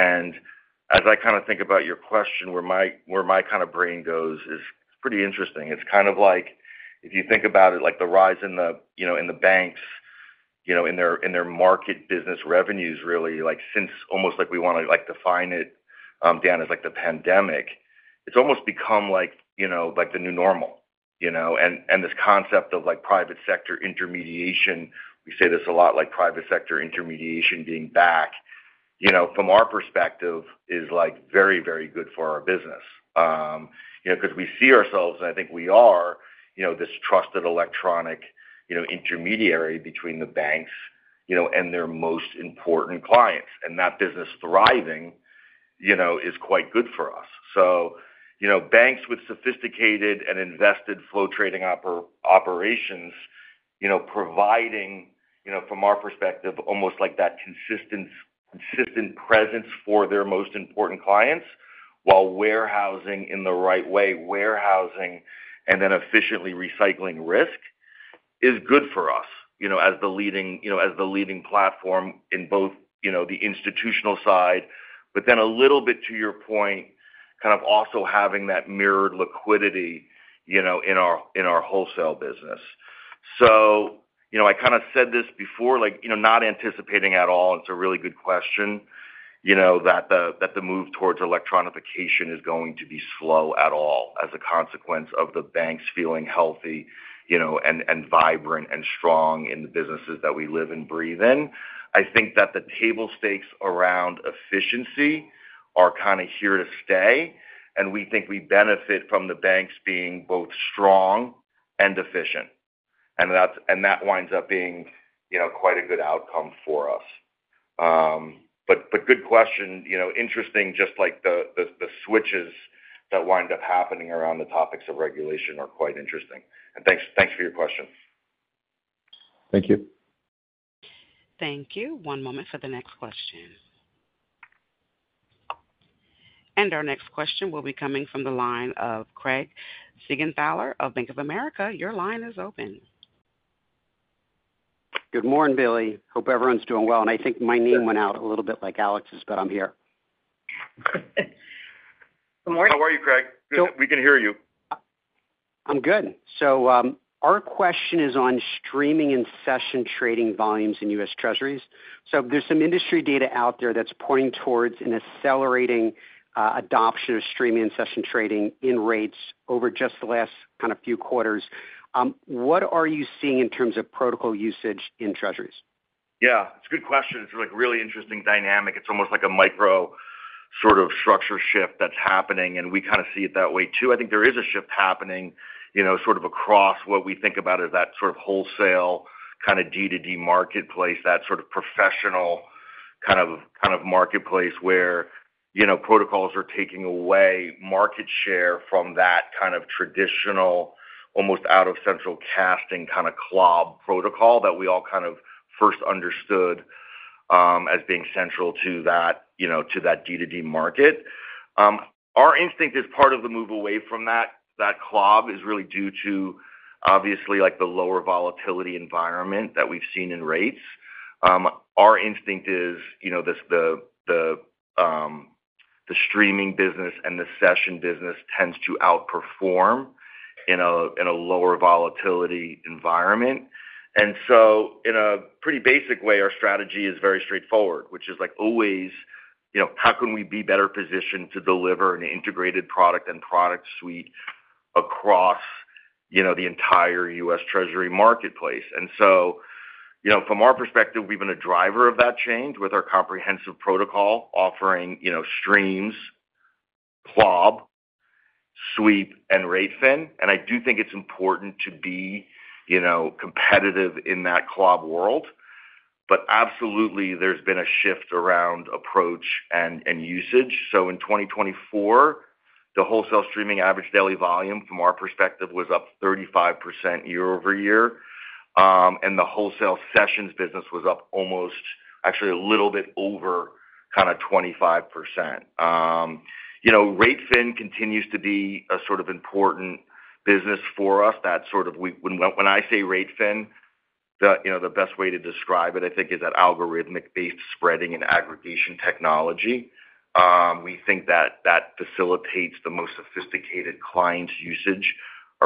As I kind of think about your question, where my kind of brain goes is pretty interesting. It's kind of like if you think about it, like the rise in the, you know, in the banks, you know, in their market business revenues really, like since almost like we want to like define it, Dan, as like the pandemic, it's almost become like, you know, like the new normal, you know. This concept of like private sector intermediation, we say this a lot, like private sector intermediation being back, you know, from our perspective is like very, very good for our business, you know, because we see ourselves, and I think we are, you know, this trusted electronic, you know, intermediary between the banks, you know, and their most important clients. That business thriving, you know, is quite good for us. So, you know, banks with sophisticated and invested flow trading operations, you know, providing, you know, from our perspective, almost like that consistent presence for their most important clients while warehousing in the right way, warehousing and then efficiently recycling risk is good for us, you know, as the leading, you know, as the leading platform in both, you know, the institutional side, but then a little bit to your point, kind of also having that mirrored liquidity, you know, in our wholesale business, so you know, I kind of said this before, like, you know, not anticipating at all, and it's a really good question, you know, that the move towards electronification is going to be slow at all as a consequence of the banks feeling healthy, you know, and vibrant and strong in the businesses that we live and breathe in. I think that the table stakes around efficiency are kind of here to stay, and we think we benefit from the banks being both strong and efficient. And that winds up being, you know, quite a good outcome for us. But good question. You know, interesting, just like the switches that wind up happening around the topics of regulation are quite interesting. And thanks for your question. Thank you. Thank you. One moment for the next question. And our next question will be coming from the line of Craig Siegenthaler of Bank of America. Your line is open. Good morning, Billy. Hope everyone's doing well. And I think my name went out a little bit like Alex's, but I'm here. Good morning. How are you, Craig? We can hear you. I'm good. So our question is on streaming and session trading volumes in U.S. Treasuries. So there's some industry data out there that's pointing towards an accelerating adoption of streaming and session trading in rates over just the last kind of few quarters. What are you seeing in terms of protocol usage in Treasuries? Yeah, it's a good question. It's like a really interesting dynamic. It's almost like a micro sort of structure shift that's happening, and we kind of see it that way too. I think there is a shift happening, you know, sort of across what we think about as that sort of wholesale kind of D2D marketplace, that sort of professional kind of marketplace where, you know, protocols are taking away market share from that kind of traditional, almost out-of-central casting kind of club protocol that we all kind of first understood as being central to that, you know, to that D2D market. Our instinct is part of the move away from that club is really due to obviously like the lower volatility environment that we've seen in rates. Our instinct is, you know, the streaming business and the session business tends to outperform in a lower volatility environment, and so in a pretty basic way, our strategy is very straightforward, which is like always, you know, how can we be better positioned to deliver an integrated product and product suite across, you know, the entire U.S. Treasury marketplace, and so, you know, from our perspective, we've been a driver of that change with our comprehensive protocol offering, you know, streams, club, sweep, and r8fin. And I do think it's important to be, you know, competitive in that club world, but absolutely, there's been a shift around approach and usage. In 2024, the wholesale streaming average daily volume from our perspective was up 35% year-over-year. The wholesale sessions business was up almost actually a little bit over kind of 25%. You know, r8fin continues to be a sort of important business for us. That sort of, when I say r8fin, you know, the best way to describe it, I think, is that algorithmic-based spreading and aggregation technology. We think that that facilitates the most sophisticated client's usage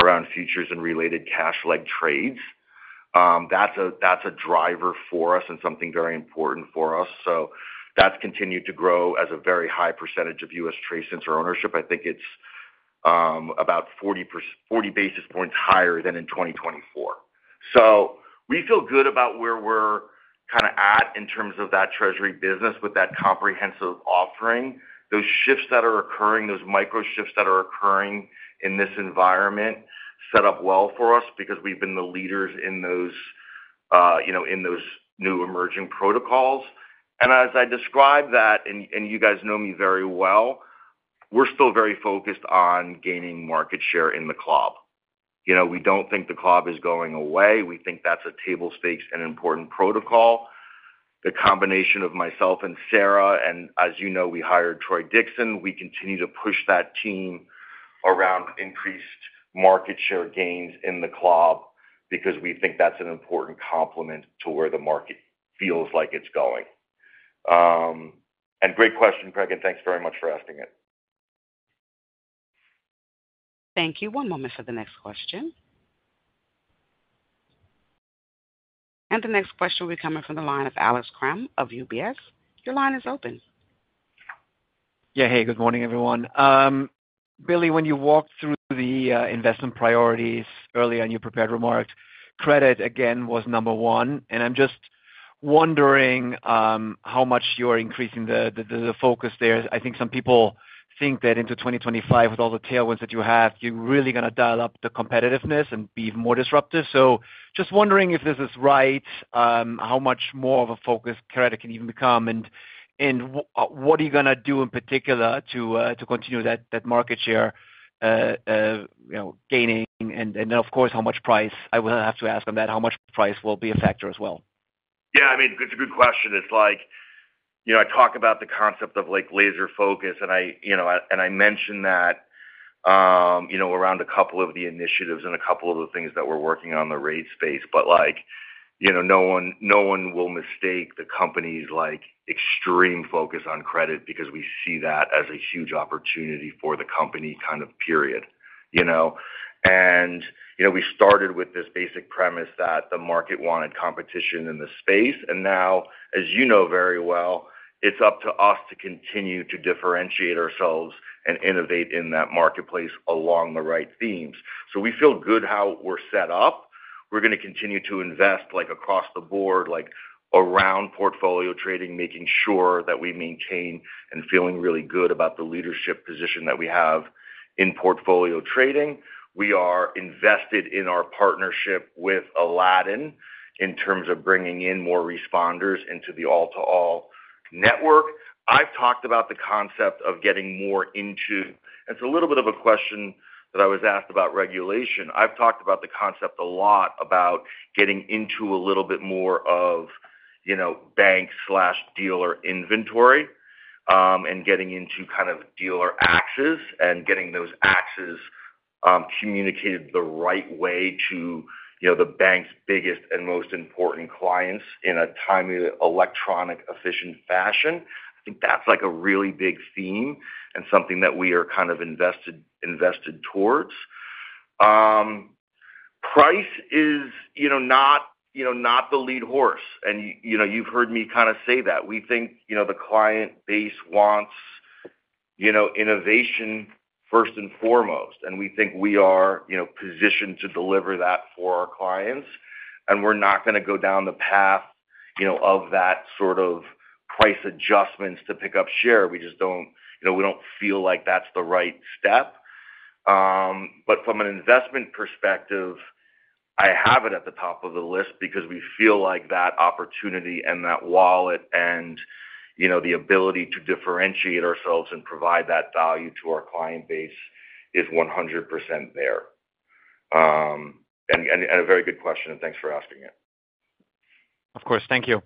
around futures and related cash-like trades. That's a driver for us and something very important for us. That's continued to grow as a very high percentage of U.S. Treasuries ownership. I think it's about 40 basis points higher than in 2024. We feel good about where we're kind of at in terms of that Treasury business with that comprehensive offering. Those shifts that are occurring, those micro shifts that are occurring in this environment set up well for us because we've been the leaders in those, you know, in those new emerging protocols, and as I describe that, and you guys know me very well, we're still very focused on gaining market share in the club. You know, we don't think the club is going away. We think that's a table stakes and important protocol. The combination of myself and Sara, and as you know, we hired Troy Dixon. We continue to push that team around increased market share gains in the club because we think that's an important complement to where the market feels like it's going, and great question, Craig, and thanks very much for asking it. Thank you. One moment for the next question. The next question will be coming from the line of Alex Kramm of UBS. Your line is open. Yeah. Hey, good morning, everyone. Billy, when you walked through the investment priorities earlier and you prepared remarks, credit again was number one. I'm just wondering how much you're increasing the focus there. I think some people think that into 2025, with all the tailwinds that you have, you're really going to dial up the competitiveness and be more disruptive. Just wondering if this is right, how much more of a focus credit can even become, and what are you going to do in particular to continue that market share gaining? Of course, how much price I will have to ask on that, how much price will be a factor as well? Yeah, I mean, it's a good question. It's like, you know, I talk about the concept of like laser focus, and I, you know, and I mentioned that, you know, around a couple of the initiatives and a couple of the things that we're working on the rate space. But like, you know, no one will mistake the company's like extreme focus on credit because we see that as a huge opportunity for the company kind of period, you know. And, you know, we started with this basic premise that the market wanted competition in the space. And now, as you know very well, it's up to us to continue to differentiate ourselves and innovate in that marketplace along the right themes. So we feel good how we're set up. We're going to continue to invest like across the board, like around portfolio trading, making sure that we maintain and feeling really good about the leadership position that we have in portfolio trading. We are invested in our partnership with Aladdin in terms of bringing in more responders into the all-to-all network. I've talked about the concept of getting more into, and it's a little bit of a question that I was asked about regulation. I've talked about the concept a lot about getting into a little bit more of, you know, bank/dealer inventory and getting into kind of dealer axes and getting those axes communicated the right way to, you know, the bank's biggest and most important clients in a timely, electronic, efficient fashion. I think that's like a really big theme and something that we are kind of invested towards. Price is, you know, not, you know, not the lead horse. And, you know, you've heard me kind of say that. We think, you know, the client base wants, you know, innovation first and foremost. And we think we are, you know, positioned to deliver that for our clients. And we're not going to go down the path, you know, of that sort of price adjustments to pick up share. We just don't, you know, we don't feel like that's the right step. But from an investment perspective, I have it at the top of the list because we feel like that opportunity and that wallet and, you know, the ability to differentiate ourselves and provide that value to our client base is 100% there. And a very good question, and thanks for asking it. Of course. Thank you.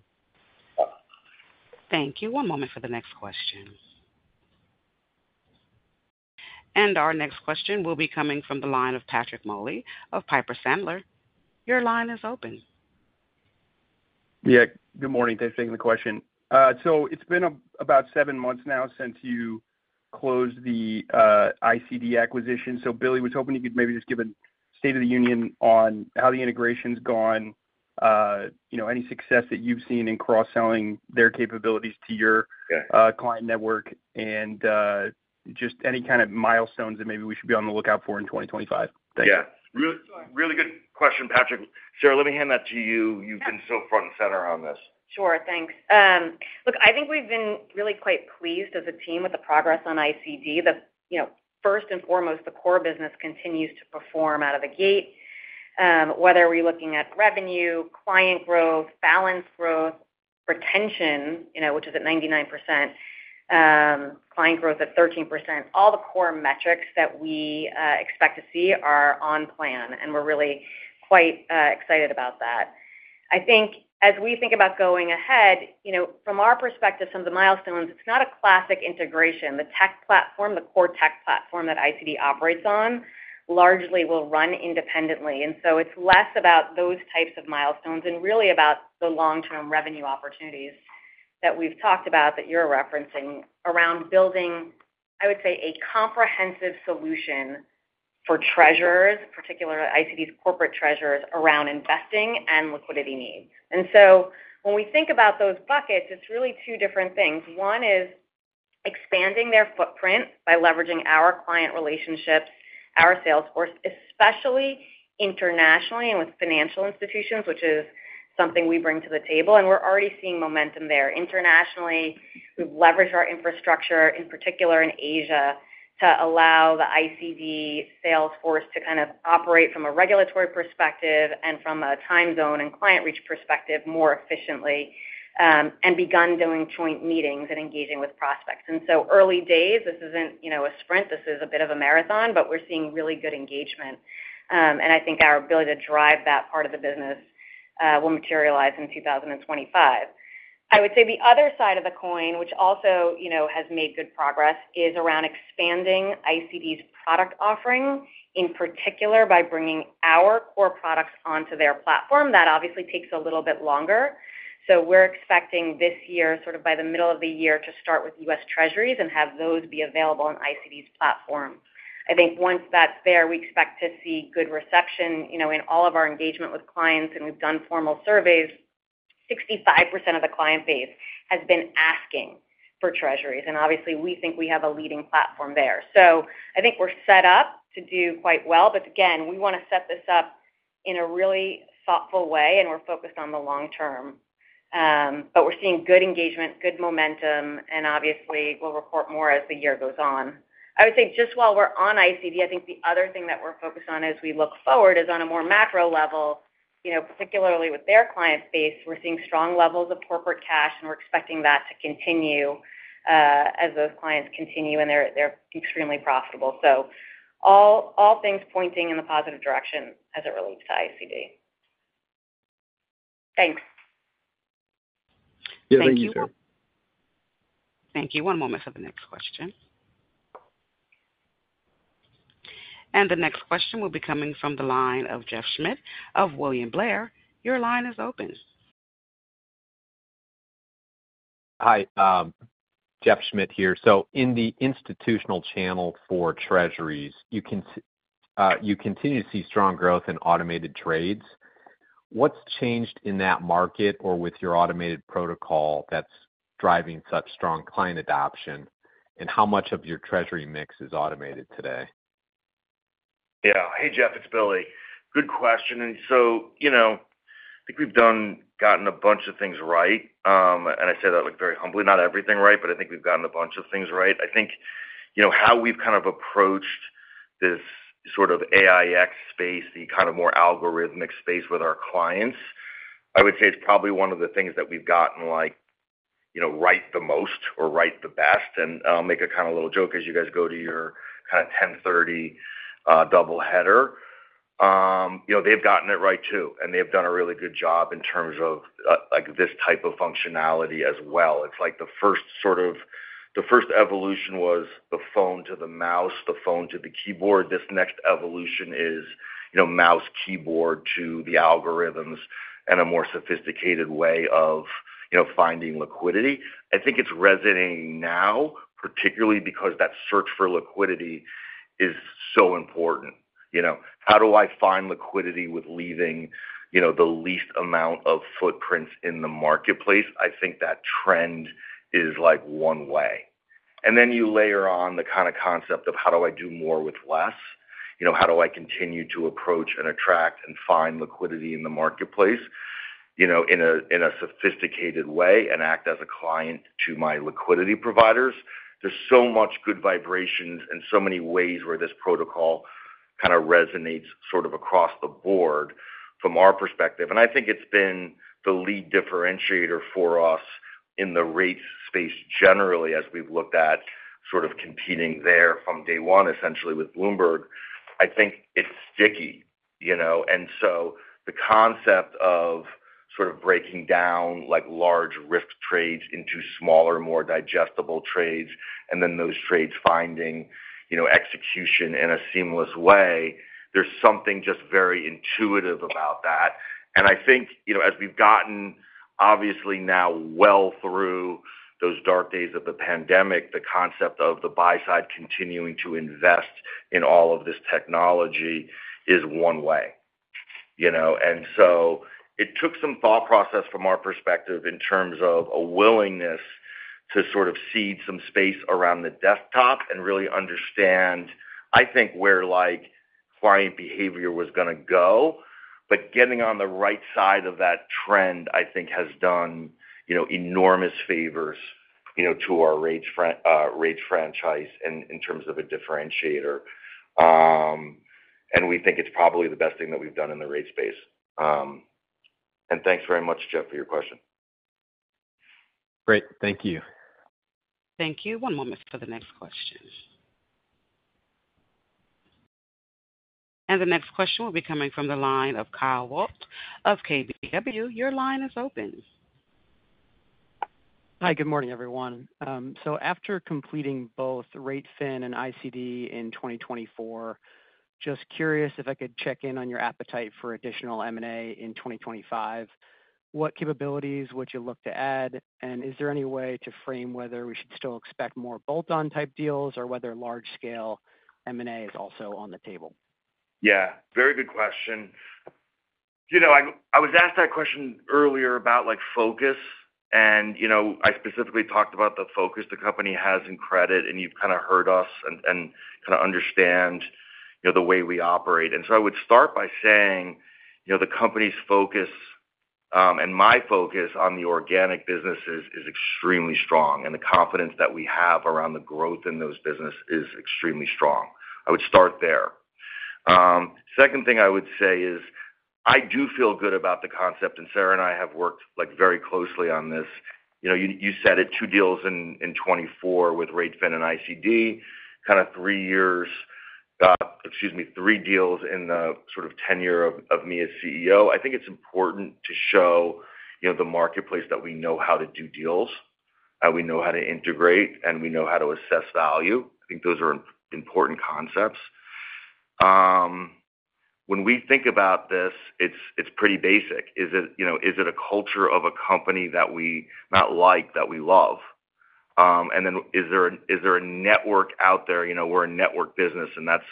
Thank you. One moment for the next question. And our next question will be coming from the line of Patrick Moley of Piper Sandler. Your line is open. Yeah. Good morning. Thanks for taking the question. So it's been about seven months now since you closed the ICD acquisition. So Billy was hoping you could maybe just give a state of the union on how the integration's gone, you know, any success that you've seen in cross-selling their capabilities to your client network and just any kind of milestones that maybe we should be on the lookout for in 2025. Thanks. Yeah. Really good question, Patrick. Sara, let me hand that to you. You've been so front and center on this. Sure. Thanks. Look, I think we've been really quite pleased as a team with the progress on ICD. You know, first and foremost, the core business continues to perform out of the gate, whether we're looking at revenue, client growth, balance growth, retention, you know, which is at 99%, client growth at 13%. All the core metrics that we expect to see are on plan, and we're really quite excited about that. I think as we think about going ahead, you know, from our perspective, some of the milestones, it's not a classic integration. The tech platform, the core tech platform that ICD operates on largely will run independently. And so it's less about those types of milestones and really about the long-term revenue opportunities that we've talked about that you're referencing around building, I would say, a comprehensive solution for treasurers, particularly ICD's corporate treasurers, around investing and liquidity needs. And so when we think about those buckets, it's really two different things. One is expanding their footprint by leveraging our client relationships, our salesforce, especially internationally and with financial institutions, which is something we bring to the table. And we're already seeing momentum there. Internationally, we've leveraged our infrastructure, in particular in Asia, to allow the ICD salesforce to kind of operate from a regulatory perspective and from a time zone and client reach perspective more efficiently and begun doing joint meetings and engaging with prospects. And so early days, this isn't, you know, a sprint. This is a bit of a marathon, but we're seeing really good engagement. And I think our ability to drive that part of the business will materialize in 2025. I would say the other side of the coin, which also, you know, has made good progress, is around expanding ICD's product offering in particular by bringing our core products onto their platform. That obviously takes a little bit longer. So we're expecting this year, sort of by the middle of the year, to start with U.S. Treasuries and have those be available on ICD's platform. I think once that's there, we expect to see good reception, you know, in all of our engagement with clients. And we've done formal surveys. 65% of the client base has been asking for Treasuries. And obviously, we think we have a leading platform there. So I think we're set up to do quite well. But again, we want to set this up in a really thoughtful way, and we're focused on the long term. But we're seeing good engagement, good momentum, and obviously, we'll report more as the year goes on. I would say just while we're on ICD, I think the other thing that we're focused on as we look forward is on a more macro level, you know, particularly with their client base, we're seeing strong levels of corporate cash, and we're expecting that to continue as those clients continue and they're extremely profitable. So all things pointing in the positive direction as it relates to ICD. Thanks. Yeah. Thank you, Sara. Thank you. One moment for the next question. And the next question will be coming from the line of Jeff Schmitt of William Blair. Your line is open. Hi. Jeff Schmitt here. So in the institutional channel for Treasuries, you continue to see strong growth in automated trades. What's changed in that market or with your automated protocol that's driving such strong client adoption, and how much of your Treasury mix is automated today? Yeah. Hey, Jeff, it's Billy. Good question, and so, you know, I think we've done gotten a bunch of things right. And I say that like very humbly, not everything right, but I think we've gotten a bunch of things right. I think, you know, how we've kind of approached this sort of AiEX space, the kind of more algorithmic space with our clients, I would say it's probably one of the things that we've gotten like, you know, right the most or right the best. And I'll make a kind of little joke as you guys go to your kind of 10:30 A.M. double header. You know, they've gotten it right too, and they've done a really good job in terms of like this type of functionality as well. It's like the first sort of the first evolution was the phone to the mouse, the phone to the keyboard. This next evolution is, you know, mouse, keyboard to the algorithms and a more sophisticated way of, you know, finding liquidity. I think it's resonating now, particularly because that search for liquidity is so important. You know, how do I find liquidity with leaving, you know, the least amount of footprints in the marketplace? I think that trend is like one way, and then you layer on the kind of concept of how do I do more with less? You know, how do I continue to approach and attract and find liquidity in the marketplace, you know, in a sophisticated way and act as a client to my liquidity providers? There's so much good vibrations and so many ways where this protocol kind of resonates sort of across the board from our perspective. I think it's been the lead differentiator for us in the rate space generally as we've looked at sort of competing there from day one, essentially with Bloomberg. I think it's sticky, you know. So the concept of sort of breaking down like large risk trades into smaller, more digestible trades, and then those trades finding, you know, execution in a seamless way, there's something just very intuitive about that. I think, you know, as we've gotten obviously now well through those dark days of the pandemic, the concept of the buy side continuing to invest in all of this technology is one way, you know. So it took some thought process from our perspective in terms of a willingness to sort of seed some space around the desktop and really understand, I think, where like client behavior was going to go. But getting on the right side of that trend, I think, has done, you know, enormous favors, you know, to our rate franchise in terms of a differentiator. And we think it's probably the best thing that we've done in the rate space. And thanks very much, Jeff, for your question. Great. Thank you. Thank you. One moment for the next question. And the next question will be coming from the line of Kyle Voigt of KBW. Your line is open. Hi. Good morning, everyone. So after completing both r8fin and ICD in 2024, just curious if I could check in on your appetite for additional M&A in 2025. What capabilities would you look to add? And is there any way to frame whether we should still expect more bolt-on type deals or whether large-scale M&A is also on the table? Yeah. Very good question. You know, I was asked that question earlier about like focus. And, you know, I specifically talked about the focus the company has in credit, and you've kind of heard us and kind of understand, you know, the way we operate. And so I would start by saying, you know, the company's focus and my focus on the organic businesses is extremely strong, and the confidence that we have around the growth in those businesses is extremely strong. I would start there. Second thing I would say is I do feel good about the concept, and Sara and I have worked like very closely on this. You know, you said it, two deals in 2024 with r8fin and ICD, kind of three years, excuse me, three deals in the sort of tenure of me as CEO. I think it's important to show, you know, the marketplace that we know how to do deals, and we know how to integrate, and we know how to assess value. I think those are important concepts. When we think about this, it's pretty basic. Is it, you know, is it a culture of a company that we not like, that we love? And then is there a network out there? You know, we're a network business, and that's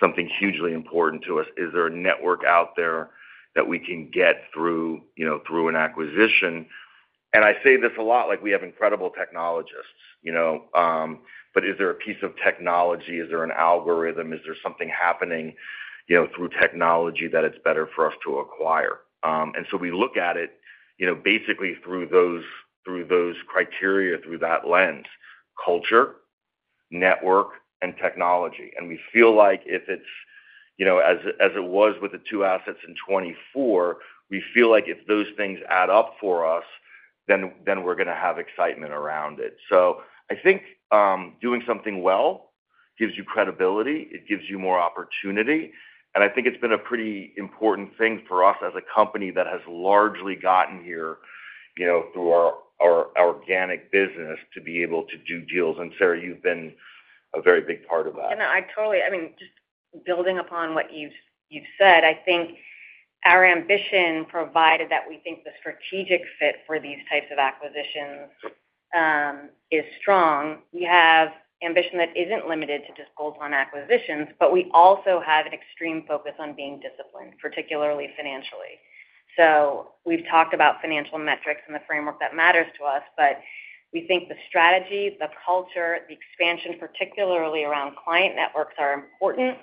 something hugely important to us. Is there a network out there that we can get through, you know, through an acquisition? And I say this a lot, like we have incredible technologists, you know, but is there a piece of technology? Is there an algorithm? Is there something happening, you know, through technology that it's better for us to acquire? We look at it, you know, basically through those criteria, through that lens: culture, network, and technology. We feel like if it's, you know, as it was with the two assets in 2024, we feel like if those things add up for us, then we're going to have excitement around it. I think doing something well gives you credibility. It gives you more opportunity. I think it's been a pretty important thing for us as a company that has largely gotten here, you know, through our organic business to be able to do deals. And Sara, you've been a very big part of that. I totally, I mean, just building upon what you've said, I think our ambition, provided that we think the strategic fit for these types of acquisitions is strong, we have ambition that isn't limited to just bolt-on acquisitions, but we also have an extreme focus on being disciplined, particularly financially, so we've talked about financial metrics and the framework that matters to us, but we think the strategy, the culture, the expansion, particularly around client networks, are important,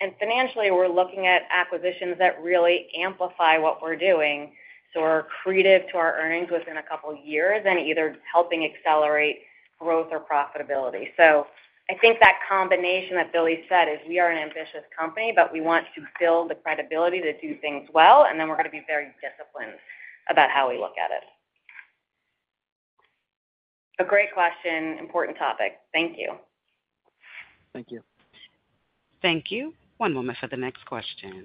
and financially, we're looking at acquisitions that really amplify what we're doing, so we're accretive to our earnings within a couple of years and either helping accelerate growth or profitability, so I think that combination that Billy said is we are an ambitious company, but we want to build the credibility to do things well, and then we're going to be very disciplined about how we look at it. A great question, important topic. Thank you. Thank you. Thank you. One moment for the next question.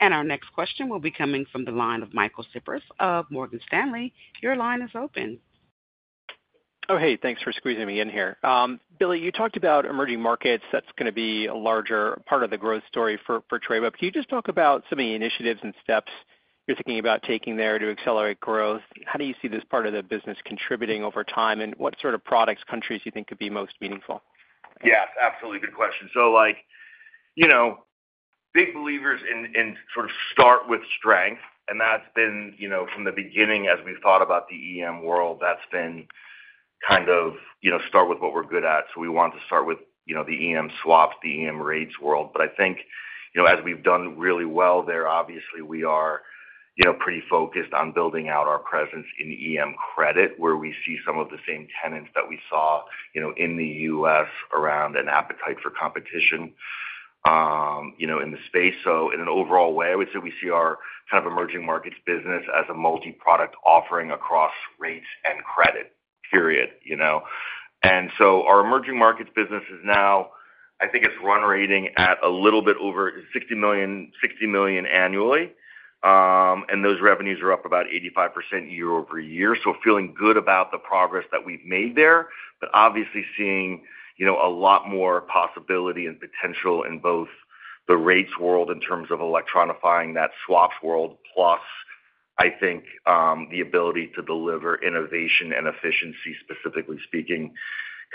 And our next question will be coming from the line of Michael Cyprys of Morgan Stanley. Your line is open. Oh, hey, thanks for squeezing me in here. Billy, you talked about emerging markets. That's going to be a larger part of the growth story for Tradeweb. Can you just talk about some of the initiatives and steps you're thinking about taking there to accelerate growth? How do you see this part of the business contributing over time, and what sort of products, countries you think could be most meaningful? Yes, absolutely. Good question. So like, you know, big believers in sort of start with strength. And that's been, you know, from the beginning as we've thought about the EM world, that's been kind of, you know, start with what we're good at. So we want to start with, you know, the EM swaps, the EM rates world. But I think, you know, as we've done really well there, obviously we are, you know, pretty focused on building out our presence in EM credit, where we see some of the same tenets that we saw, you know, in the U.S. around an appetite for competition, you know, in the space. So in an overall way, I would say we see our kind of emerging markets business as a multi-product offering across rates and credit, period, you know. And so our emerging markets business is now, I think it's run-rate at a little bit over $60 million annually. And those revenues are up about 85% year-over-year. So, feeling good about the progress that we've made there, but obviously seeing, you know, a lot more possibility and potential in both the rates world in terms of electronifying that swaps world, plus I think the ability to deliver innovation and efficiency, specifically speaking,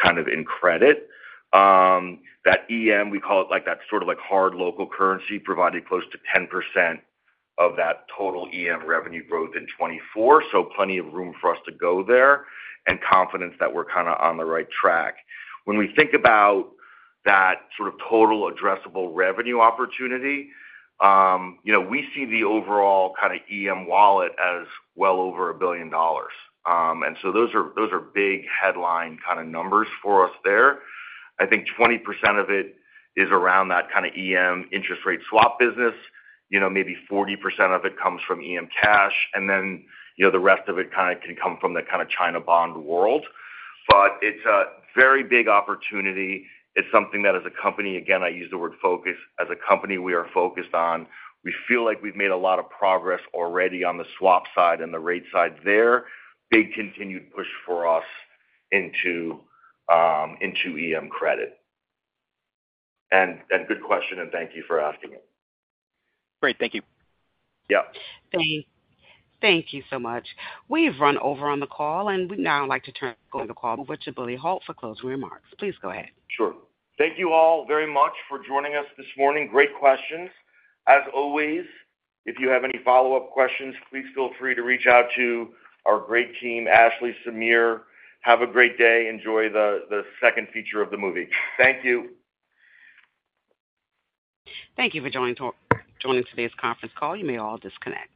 kind of in credit. That EM, we call it like that sort of like hard local currency provided close to 10% of that total EM revenue growth in 2024. So plenty of room for us to go there and confidence that we're kind of on the right track. When we think about that sort of total addressable revenue opportunity, you know, we see the overall kind of EM wallet as well over $1 billion. And so those are big headline kind of numbers for us there. I think 20% of it is around that kind of EM interest rate swap business. You know, maybe 40% of it comes from EM cash. And then, you know, the rest of it kind of can come from the kind of China bond world. But it's a very big opportunity. It's something that as a company, again, I use the word focus, as a company, we are focused on. We feel like we've made a lot of progress already on the swap side and the rate side there. Big continued push for us into EM credit. And good question, and thank you for asking it. Great. Thank you. Yeah. Thank you so much. We've run over on the call, and we now like to turn the call over to Billy Hult for closing remarks. Please go ahead. Sure. Thank you all very much for joining us this morning. Great questions. As always, if you have any follow-up questions, please feel free to reach out to our great team, Ashley Serrao. Have a great day. Enjoy the second feature of the movie. Thank you. Thank you for joining today's conference call. You may all disconnect.